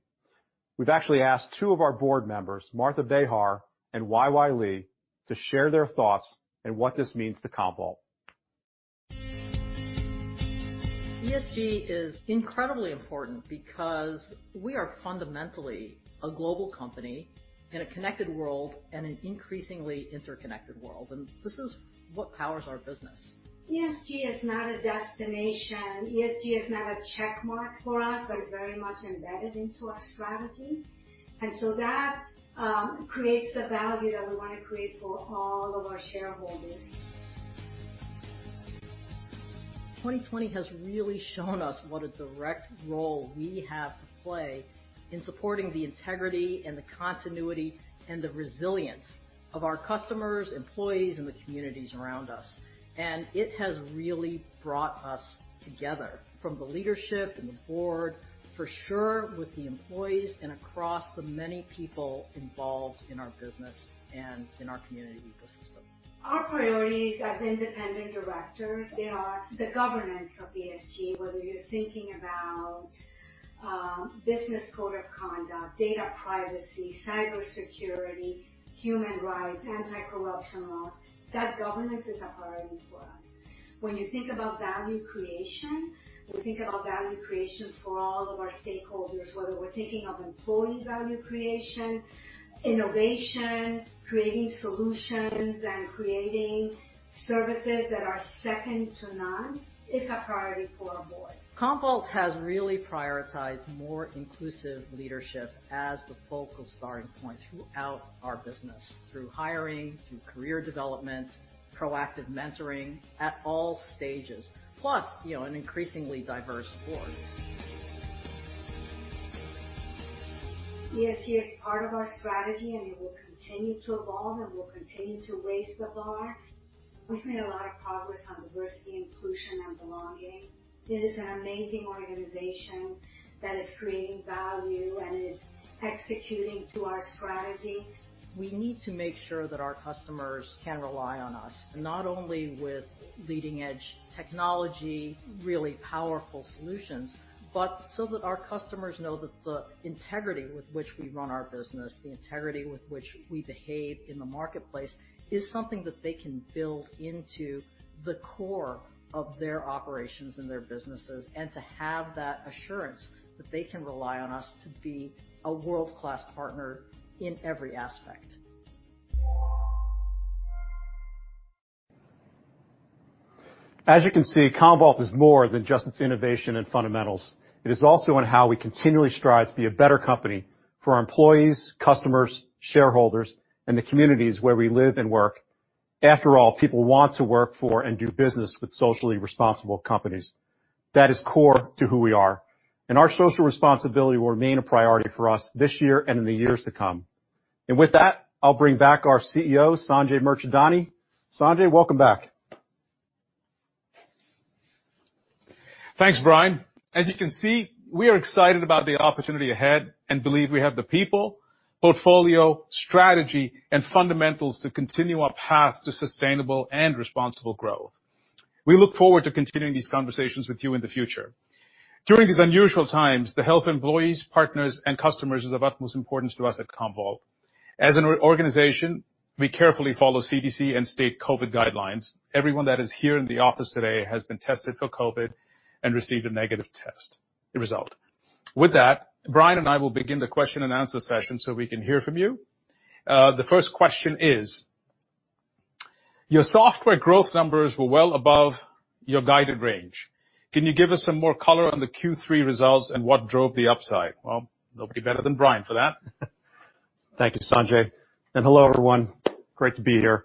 We've actually asked two of our board members, Martha Bejar and YY Lee, to share their thoughts on what this means to Commvault. ESG is incredibly important because we are fundamentally a global company in a connected world and an increasingly interconnected world, and this is what powers our business. ESG is not a destination. ESG is not a check mark for us, but it's very much embedded into our strategy. That creates the value that we want to create for all of our shareholders. 2020 has really shown us what a direct role we have to play in supporting the integrity and the continuity and the resilience of our customers, employees, and the communities around us. It has really brought us together from the leadership and the board, for sure, with the employees and across the many people involved in our business and in our community ecosystem. Our priorities as independent directors are the governance of ESG, whether you're thinking about business code of conduct, data privacy, cybersecurity, human rights, anti-corruption laws. That governance is a priority for us. When you think about value creation, we think about value creation for all of our stakeholders, whether we're thinking of employee value creation, innovation, creating solutions, and creating services that are second to none is a priority for our board. Commvault has really prioritized more inclusive leadership as the focal starting point throughout our business, through hiring, through career development, proactive mentoring at all stages. Plus, an increasingly diverse board. ESG is part of our strategy, and it will continue to evolve, and we'll continue to raise the bar. We've made a lot of progress on diversity, inclusion, and belonging. It is an amazing organization that is creating value and is executing to our strategy. We need to make sure that our customers can rely on us, not only with leading-edge technology, really powerful solutions, but so that our customers know that the integrity with which we run our business, the integrity with which we behave in the marketplace, is something that they can build into the core of their operations and their businesses. To have that assurance that they can rely on us to be a world-class partner in every aspect. As you can see, Commvault is more than just its innovation and fundamentals. It is also in how we continually strive to be a better company for our employees, customers, shareholders, and the communities where we live and work. After all, people want to work for and do business with socially responsible companies. That is core to who we are, and our social responsibility will remain a priority for us this year and in the years to come. With that, I'll bring back our CEO, Sanjay Mirchandani. Sanjay, welcome back. Thanks, Brian. As you can see, we are excited about the opportunity ahead and believe we have the people, portfolio, strategy, and fundamentals to continue our path to sustainable and responsible growth. We look forward to continuing these conversations with you in the future. During these unusual times, the health of employees, partners, and customers is of utmost importance to us at Commvault. As an organization, we carefully follow CDC and state COVID guidelines. Everyone that is here in the office today has been tested for COVID and received a negative test result. With that, Brian and I will begin the question and answer session so we can hear from you. The first question is, "Your software growth numbers were well above your guided range. Can you give us some more color on the Q3 results and what drove the upside?" Well, nobody better than Brian for that. Thank you, Sanjay. Hello, everyone. Great to be here.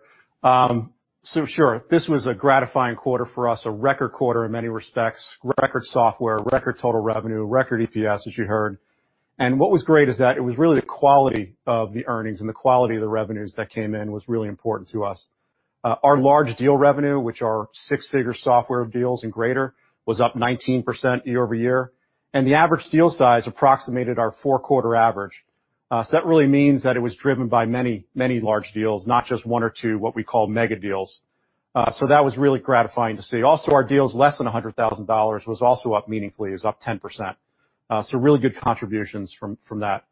Sure. This was a gratifying quarter for us, a record quarter in many respects, record software, record total revenue, record EPS, as you heard. What was great is that it was really the quality of the earnings and the quality of the revenues that came in was really important to us. Our large deal revenue, which are six-figure software deals and greater, was up 19% year-over-year, the average deal size approximated our four-quarter average. That really means that it was driven by many, many large deals, not just one or two, what we call mega deals. That was really gratifying to see. Also, our deals less than $100,000 was also up meaningfully, it was up 10%. Really good contributions from that.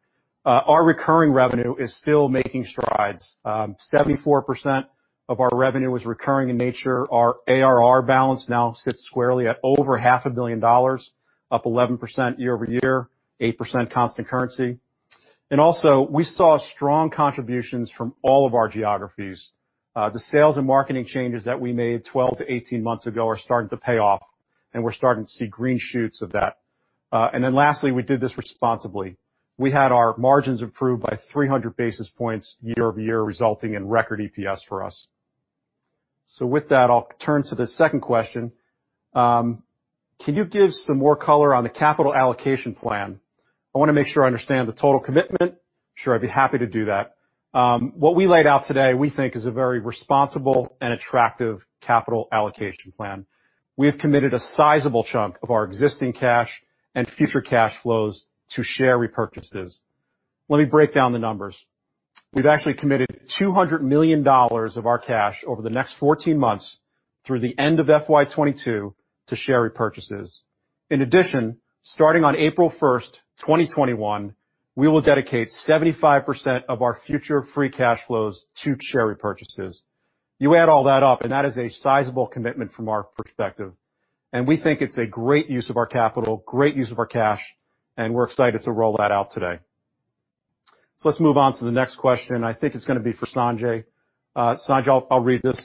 Our recurring revenue is still making strides. 74% of our revenue was recurring in nature. Our ARR balance now sits squarely at over half a billion dollars, up 11% year-over-year, 8% constant currency. Also, we saw strong contributions from all of our geographies. The sales and marketing changes that we made 12 to 18 months ago are starting to pay off, and we're starting to see green shoots of that. Lastly, we did this responsibly. We had our margins improve by 300 basis points year-over-year, resulting in record EPS for us. With that, I'll turn to the second question. Can you give some more color on the capital allocation plan? I want to make sure I understand the total commitment. Sure, I'd be happy to do that. What we laid out today we think is a very responsible and attractive capital allocation plan. We have committed a sizable chunk of our existing cash and future cash flows to share repurchases. Let me break down the numbers. We've actually committed $200 million of our cash over the next 14 months through the end of FY 2022 to share repurchases. In addition, starting on April 1, 2021, we will dedicate 75% of our future free cash flows to share repurchases. You add all that up, that is a sizable commitment from our perspective. We think it's a great use of our capital, great use of our cash, and we're excited to roll that out today. Let's move on to the next question. I think it's going to be for Sanjay. Sanjay, I'll read this.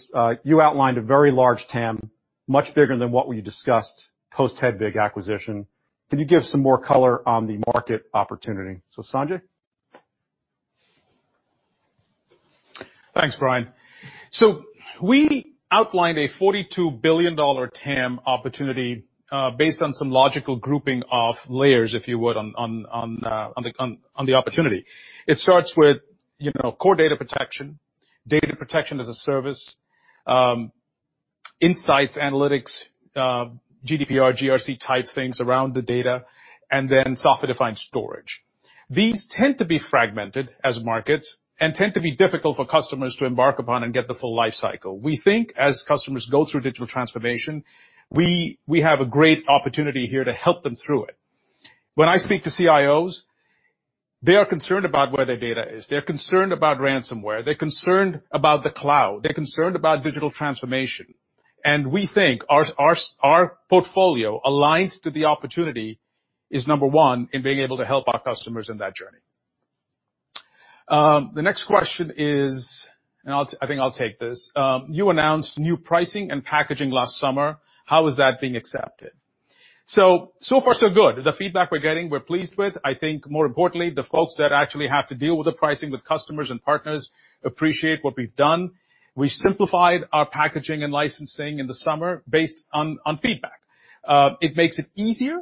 You outlined a very large TAM, much bigger than what we discussed post-Hedvig acquisition. Can you give some more color on the market opportunity? Sanjay? Thanks, Brian. We outlined a $42 billion TAM opportunity, based on some logical grouping of layers, if you would, on the opportunity. It starts with core data protection, data protection as a service, insights, analytics, GDPR, GRC type things around the data, and then software-defined storage. These tend to be fragmented as markets and tend to be difficult for customers to embark upon and get the full life cycle. We think as customers go through digital transformation, we have a great opportunity here to help them through it. When I speak to CIOs, they are concerned about where their data is. They're concerned about ransomware. They're concerned about the cloud. They're concerned about digital transformation. We think our portfolio aligns to the opportunity is number one in being able to help our customers in that journey. The next question is, I think I'll take this. You announced new pricing and packaging last summer. How is that being accepted? So far, so good. The feedback we're getting, we're pleased with. I think more importantly, the folks that actually have to deal with the pricing with customers and partners appreciate what we've done. We simplified our packaging and licensing in the summer based on feedback. It makes it easier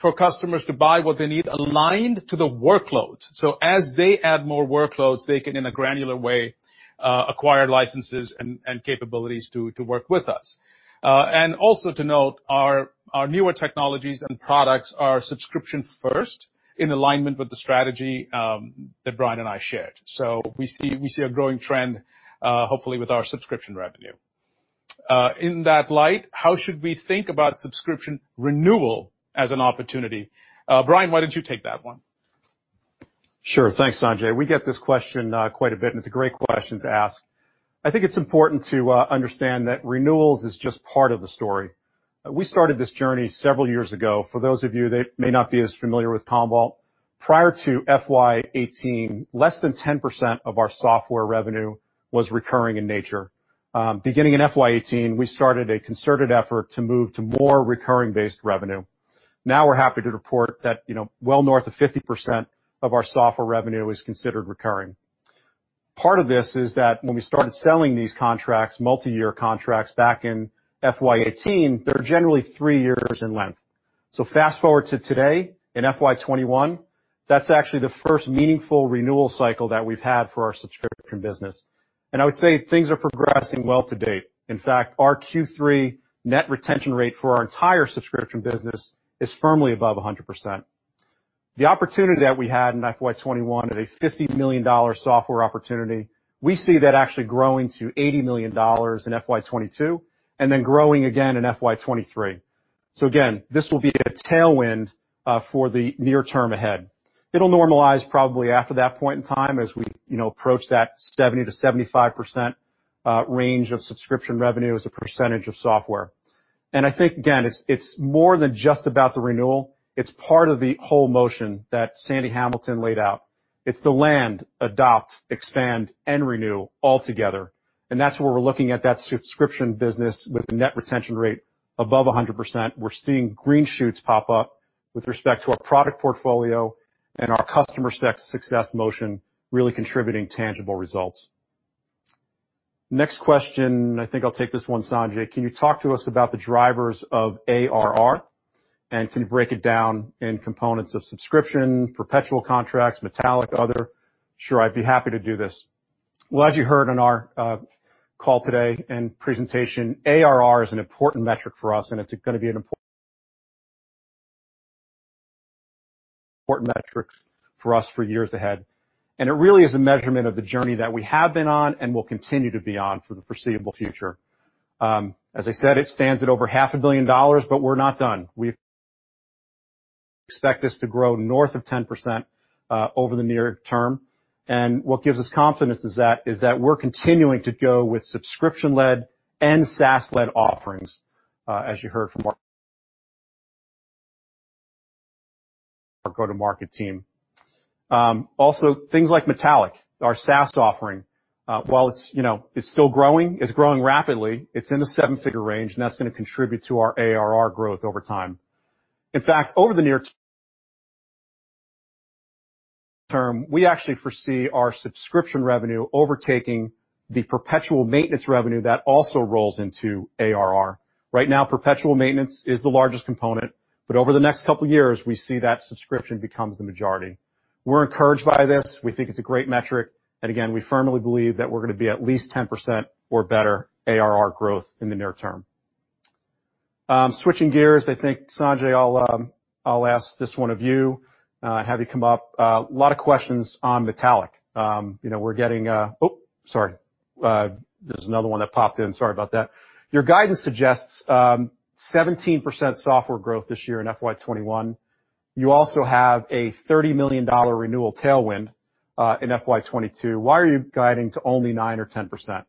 for customers to buy what they need aligned to the workloads. As they add more workloads, they can, in a granular way, acquire licenses and capabilities to work with us. Also to note, our newer technologies and products are subscription first in alignment with the strategy that Brian and I shared. We see a growing trend, hopefully with our subscription revenue. In that light, how should we think about subscription renewal as an opportunity? Brian, why don't you take that one? Sure. Thanks, Sanjay. We get this question quite a bit, and it's a great question to ask. I think it's important to understand that renewals is just part of the story. We started this journey several years ago. For those of you that may not be as familiar with Commvault, prior to FY 2018, less than 10% of our software revenue was recurring in nature. Beginning in FY 2018, we started a concerted effort to move to more recurring-based revenue. Now we're happy to report that well north of 50% of our software revenue is considered recurring. Part of this is that when we started selling these contracts, multi-year contracts, back in FY 2018, they're generally three years in length. So fast-forward to today in FY 2021, that's actually the first meaningful renewal cycle that we've had for our subscription business. I would say things are progressing well to date. In fact, our Q3 net retention rate for our entire subscription business is firmly above 100%. The opportunity that we had in FY 2021 is a $50 million software opportunity. We see that actually growing to $80 million in FY 2022, and then growing again in FY 2023. Again, this will be a tailwind for the near term ahead. It'll normalize probably after that point in time as we approach that 70%-75% range of subscription revenue as a percentage of software. I think, again, it's more than just about the renewal. It's part of the whole motion that Sandy Hamilton laid out. It's the land, adopt, expand, and renew all together. That's where we're looking at that subscription business with a net retention rate above 100%. We're seeing green shoots pop up with respect to our product portfolio and our customer success motion really contributing tangible results. Next question, I think I'll take this one, Sanjay. Can you talk to us about the drivers of ARR, can you break it down in components of subscription, perpetual contracts, Metallic, other? Sure, I'd be happy to do this. Well, as you heard on our call today in presentation, ARR is an important metric for us, it's going to be an important metric for us for years ahead. It really is a measurement of the journey that we have been on and will continue to be on for the foreseeable future. As I said, it stands at over half a billion dollars, we're not done. We expect this to grow north of 10% over the near term. What gives us confidence is that we're continuing to go with subscription-led and SaaS-led offerings, as you heard from our go-to-market team. Also, things like Metallic, our SaaS offering, while it's still growing, it's growing rapidly. It's in the seven-figure range, and that's going to contribute to our ARR growth over time. In fact, over the near term, we actually foresee our subscription revenue overtaking the perpetual maintenance revenue that also rolls into ARR. Right now, perpetual maintenance is the largest component, but over the next couple of years, we see that subscription becomes the majority. We're encouraged by this. We think it's a great metric, and again, we firmly believe that we're going to be at least 10% or better ARR growth in the near term. Switching gears, I think, Sanjay, I'll ask this one of you and have you come up. A lot of questions on Metallic. Sorry. There's another one that popped in. Sorry about that. Your guidance suggests 17% software growth this year in FY 2021. You also have a $30 million renewal tailwind in FY 2022. Why are you guiding to only 9% or 10%?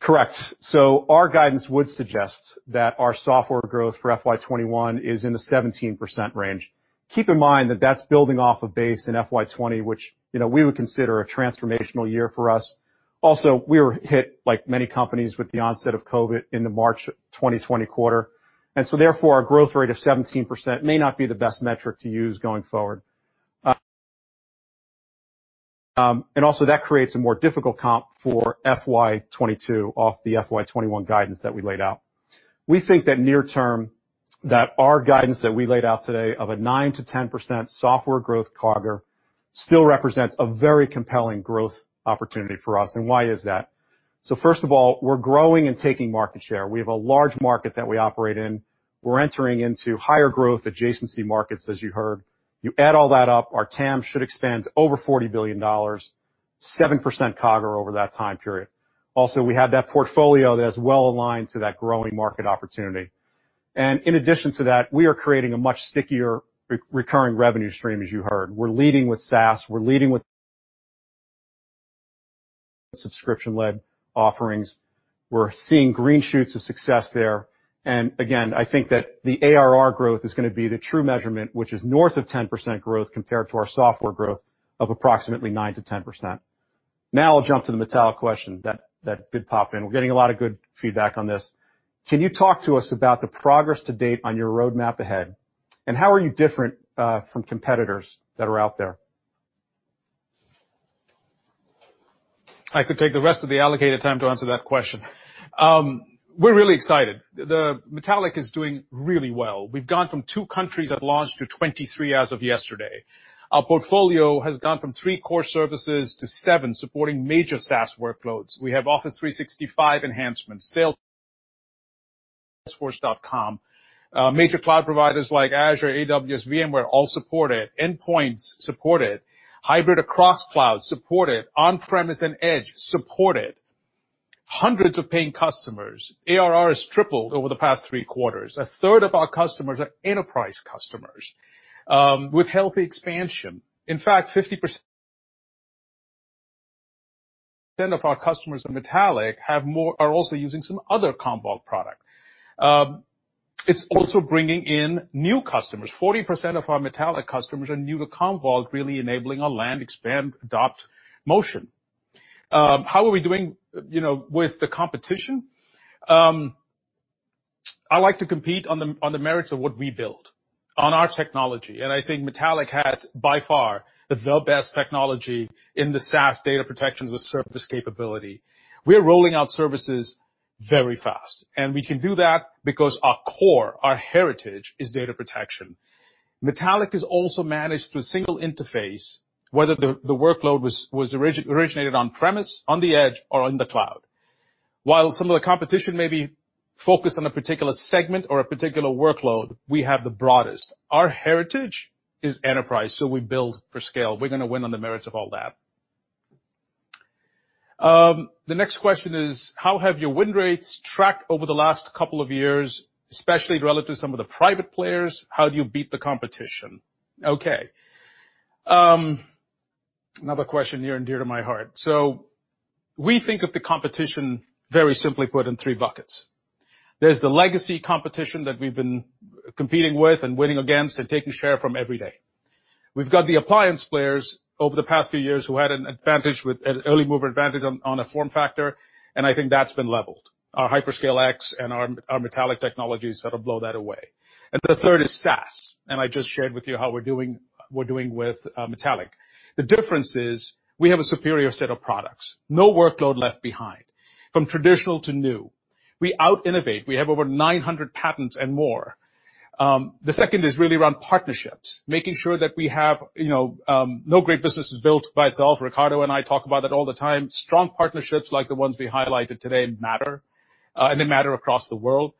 Correct. Our guidance would suggest that our software growth for FY 2021 is in the 17% range. Keep in mind that that's building off a base in FY 2020, which we would consider a transformational year for us. Also, we were hit like many companies with the onset of COVID in the March 2020 quarter. Therefore, our growth rate of 17% may not be the best metric to use going forward. Also, that creates a more difficult comp for FY 2022 off the FY 2021 guidance that we laid out. We think that near term, that our guidance that we laid out today of a 9%-10% software growth CAGR still represents a very compelling growth opportunity for us. Why is that? First of all, we're growing and taking market share. We have a large market that we operate in. We're entering into higher growth adjacency markets, as you heard. You add all that up, our TAM should expand to over $40 billion, 7% CAGR over that time period. Also, we have that portfolio that is well-aligned to that growing market opportunity. In addition to that, we are creating a much stickier recurring revenue stream, as you heard. We're leading with SaaS, we're leading with subscription-led offerings. We're seeing green shoots of success there, and again, I think that the ARR growth is going to be the true measurement, which is north of 10% growth compared to our software growth of approximately 9%-10%. Now I'll jump to the Metallic question that did pop in. We're getting a lot of good feedback on this. Can you talk to us about the progress to date on your roadmap ahead? How are you different from competitors that are out there? I could take the rest of the allocated time to answer that question. We're really excited. Metallic is doing really well. We've gone from two countries at launch to 23 as of yesterday. Our portfolio has gone from three core services to seven, supporting major SaaS workloads. We have Office 365 enhancements, salesforce.com, major cloud providers like Azure, AWS, VMware, all supported. Endpoints supported, hybrid across clouds supported, on-premise and edge supported. Hundreds of paying customers. ARR has tripled over the past three quarters. A third of our customers are enterprise customers with healthy expansion. In fact, 50% of our customers on Metallic are also using some other Commvault product. It's also bringing in new customers. 40% of our Metallic customers are new to Commvault, really enabling our land, expand, adopt motion. How are we doing with the competition? I like to compete on the merits of what we build, on our technology, and I think Metallic has, by far, the best technology in the SaaS data protection as a service capability. We are rolling out services very fast, and we can do that because our core, our heritage, is data protection. Metallic is also managed through a single interface, whether the workload was originated on-premise, on the edge, or on the cloud. While some of the competition may be focused on a particular segment or a particular workload, we have the broadest. Our heritage is enterprise, so we build for scale. We're going to win on the merits of all that. The next question is, how have your win rates tracked over the last couple of years, especially relative to some of the private players? How do you beat the competition? Okay. Another question near and dear to my heart. We think of the competition very simply put in three buckets. There's the legacy competition that we've been competing with and winning against and taking share from every day. We've got the appliance players over the past few years who had an early mover advantage on a form factor, and I think that's been leveled. Our HyperScale X and our Metallic technologies sort of blow that away. The third is SaaS, and I just shared with you how we're doing with Metallic. The difference is we have a superior set of products. No workload left behind, from traditional to new. We out-innovate. We have over 900 patents and more. The second is really around partnerships, making sure that we have No great business is built by itself. Riccardo and I talk about that all the time. Strong partnerships like the ones we highlighted today matter, they matter across the world.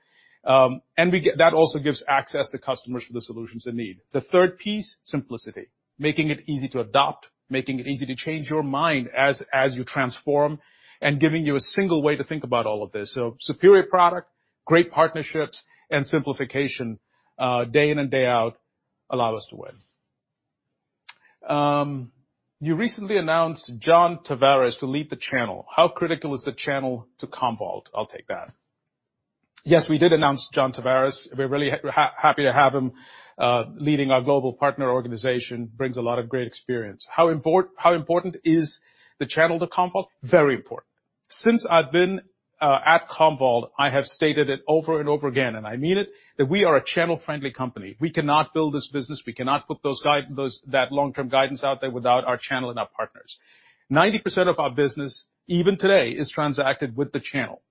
That also gives access to customers for the solutions they need. The third piece, simplicity. Making it easy to adopt, making it easy to change your mind as you transform, and giving you a single way to think about all of this. Superior product, great partnerships, and simplification, day in and day out, allow us to win. You recently announced John Tavares to lead the channel. How critical is the channel to Commvault? I'll take that. Yes, we did announce John Tavares. We're really happy to have him leading our global partner organization, brings a lot of great experience. How important is the channel to Commvault? Very important. Since I've been at Commvault, I have stated it over and over again, and I mean it, that we are a channel-friendly company. We cannot build this business, we cannot put that long-term guidance out there without our channel and our partners. 90% of our business, even today, is transacted with the channel.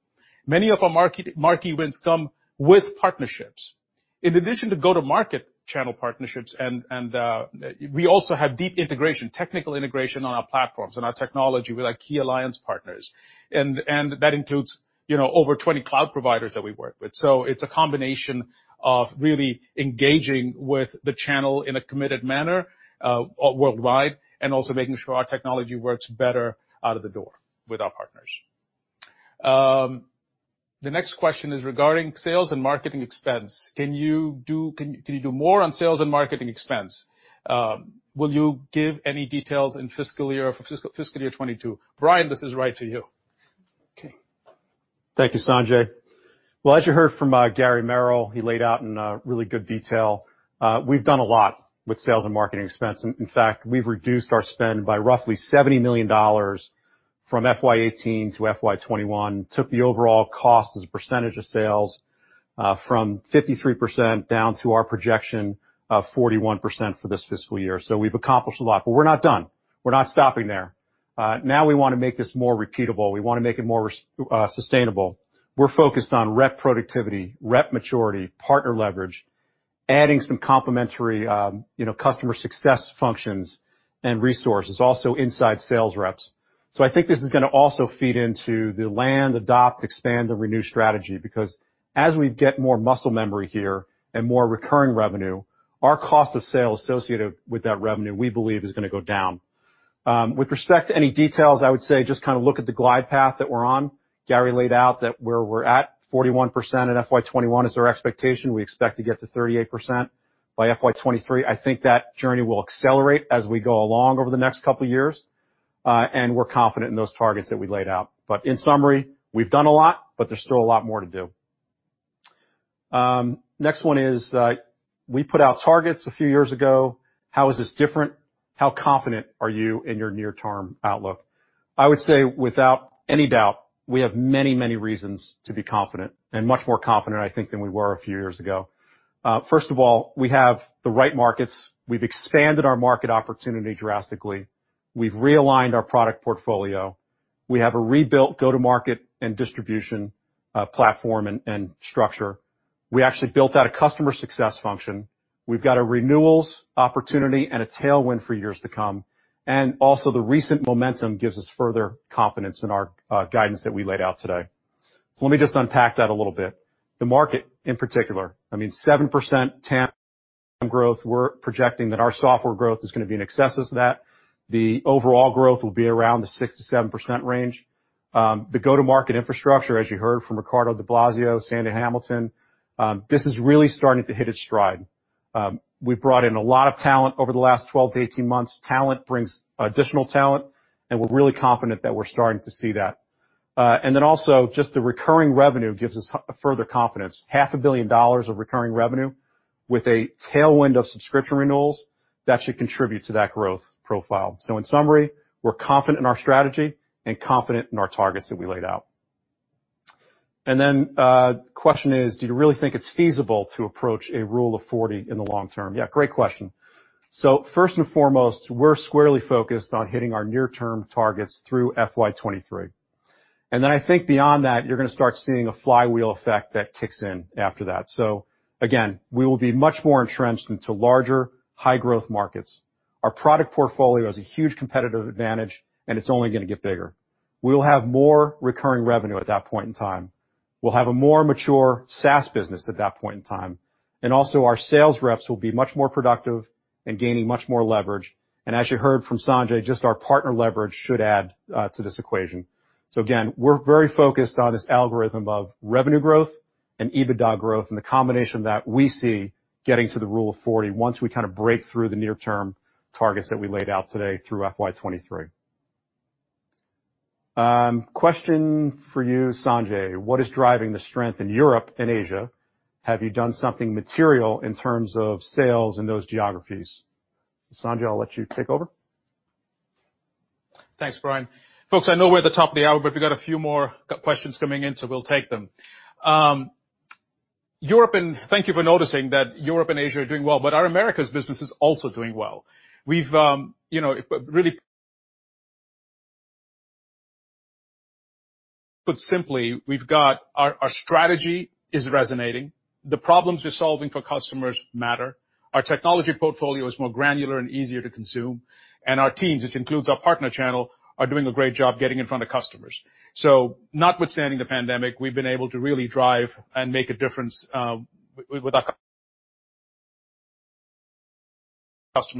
Many of our marquee wins come with partnerships. In addition to go-to-market channel partnerships, we also have deep integration, technical integration on our platforms and our technology with our key alliance partners. That includes over 20 cloud providers that we work with. It's a combination of really engaging with the channel in a committed manner worldwide, and also making sure our technology works better out of the door with our partners. The next question is regarding sales and marketing expense. Can you do more on sales and marketing expense? Will you give any details in fiscal year 2022? Brian, this is right to you. Okay. Thank you, Sanjay. Well, as you heard from Gary Merrill, he laid out in really good detail, we've done a lot with sales and marketing expense. In fact, we've reduced our spend by roughly $70 million from FY 2018 to FY 2021, took the overall cost as a percentage of sales from 53% down to our projection of 41% for this fiscal year. We've accomplished a lot. We're not done. We're not stopping there. Now we want to make this more repeatable. We want to make it more sustainable. We're focused on rep productivity, rep maturity, partner leverage, adding some complementary customer success functions and resources, also inside sales reps. I think this is going to also feed into the land, adopt, expand, and renew strategy, because as we get more muscle memory here and more recurring revenue, our cost of sales associated with that revenue, we believe, is going to go down. With respect to any details, I would say just look at the glide path that we're on. Gary laid out that where we're at, 41% in FY 2021 is our expectation. We expect to get to 38% by FY 2023. I think that journey will accelerate as we go along over the next couple of years, and we're confident in those targets that we laid out. In summary, we've done a lot, but there's still a lot more to do. Next one is, we put out targets a few years ago. How is this different? How confident are you in your near-term outlook? I would say, without any doubt, we have many reasons to be confident, and much more confident, I think, than we were a few years ago. First of all, we have the right markets. We've expanded our market opportunity drastically. We've realigned our product portfolio. We have a rebuilt go-to-market and distribution platform and structure. We actually built out a customer success function. We've got a renewals opportunity and a tailwind for years to come. Also, the recent momentum gives us further confidence in our guidance that we laid out today. Let me just unpack that a little bit. The market in particular, 7% TAM growth. We're projecting that our software growth is going to be in excess of that. The overall growth will be around the 6%-7% range. The go-to-market infrastructure, as you heard from Riccardo Di Blasio, Sandy Hamilton, this is really starting to hit its stride. We've brought in a lot of talent over the last 12-18 months. Talent brings additional talent. We're really confident that we're starting to see that. Also, just the recurring revenue gives us further confidence. Half a billion dollars of recurring revenue with a tailwind of subscription renewals, that should contribute to that growth profile. In summary, we're confident in our strategy and confident in our targets that we laid out. A question is, do you really think it's feasible to approach a Rule of 40 in the long term? Yeah, great question. First and foremost, we're squarely focused on hitting our near-term targets through FY 2023. Then I think beyond that, you're going to start seeing a flywheel effect that kicks in after that. Again, we will be much more entrenched into larger, high-growth markets. Our product portfolio is a huge competitive advantage, and it's only going to get bigger. We will have more recurring revenue at that point in time. We'll have a more mature SaaS business at that point in time. Also, our sales reps will be much more productive and gaining much more leverage. As you heard from Sanjay, just our partner leverage should add to this equation. Again, we're very focused on this algorithm of revenue growth and EBITDA growth and the combination of that we see getting to the Rule of 40 once we kind of break through the near-term targets that we laid out today through FY 2023. Question for you, Sanjay. What is driving the strength in Europe and Asia? Have you done something material in terms of sales in those geographies? Sanjay, I'll let you take over. Thanks, Brian. Folks, I know we're at the top of the hour, but we've got a few more questions coming in, so we'll take them. Thank you for noticing that Europe and Asia are doing well, but our Americas business is also doing well. Put simply, our strategy is resonating. The problems we're solving for customers matter. Our technology portfolio is more granular and easier to consume, and our teams, which includes our partner channel, are doing a great job getting in front of customers. Notwithstanding the pandemic, we've been able to really drive and make a difference with our customers'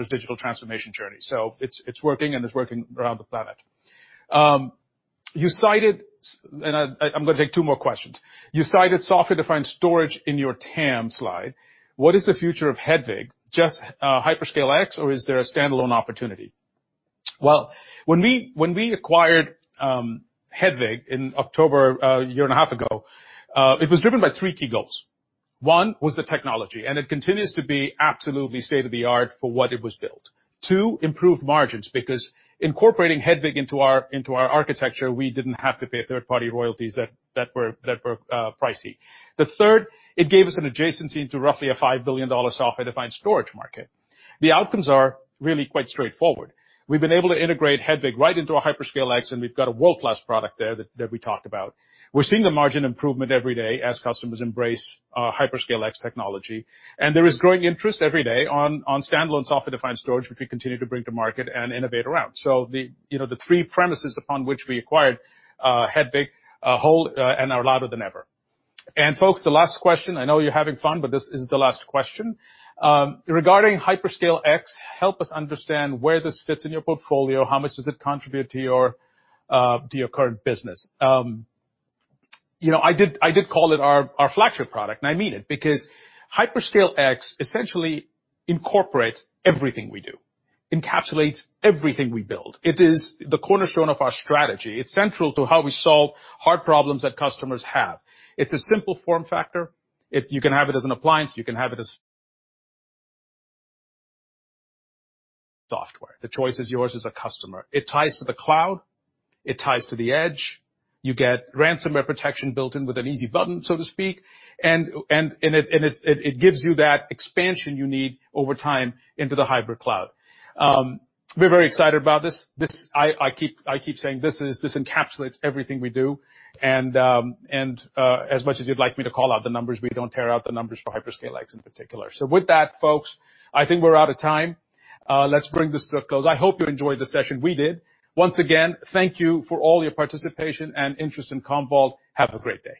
digital transformation journey. It's working, and it's working around the planet. I'm going to take two more questions. You cited software-defined storage in your TAM slide. What is the future of Hedvig? Just HyperScale X, or is there a standalone opportunity? Well, when we acquired Hedvig in October a year and a half ago, it was driven by three key goals. One was the technology, and it continues to be absolutely state-of-the-art for what it was built. Two, improve margins, because incorporating Hedvig into our architecture, we didn't have to pay third-party royalties that were pricey. The third, it gave us an adjacency to roughly a $5 billion software-defined storage market. The outcomes are really quite straightforward. We've been able to integrate Hedvig right into our HyperScale X, and we've got a world-class product there that we talked about. There is growing interest every day on standalone software-defined storage, which we continue to bring to market and innovate around. The three premises upon which we acquired Hedvig hold and are louder than ever. Folks, the last question. I know you're having fun, but this is the last question. Regarding HyperScale X, help us understand where this fits in your portfolio. How much does it contribute to your current business? I did call it our flagship product, and I mean it, because HyperScale X essentially incorporates everything we do, encapsulates everything we build. It is the cornerstone of our strategy. It's central to how we solve hard problems that customers have. It's a simple form factor. You can have it as an appliance, you can have it as software. The choice is yours as a customer. It ties to the cloud. It ties to the edge. You get ransomware protection built in with an easy button, so to speak, and it gives you that expansion you need over time into the hybrid cloud. We're very excited about this. I keep saying this encapsulates everything we do. As much as you'd like me to call out the numbers, we don't tear out the numbers for HyperScale X in particular. With that, folks, I think we're out of time. Let's bring this to a close. I hope you enjoyed the session. We did. Once again, thank you for all your participation and interest in Commvault. Have a great day.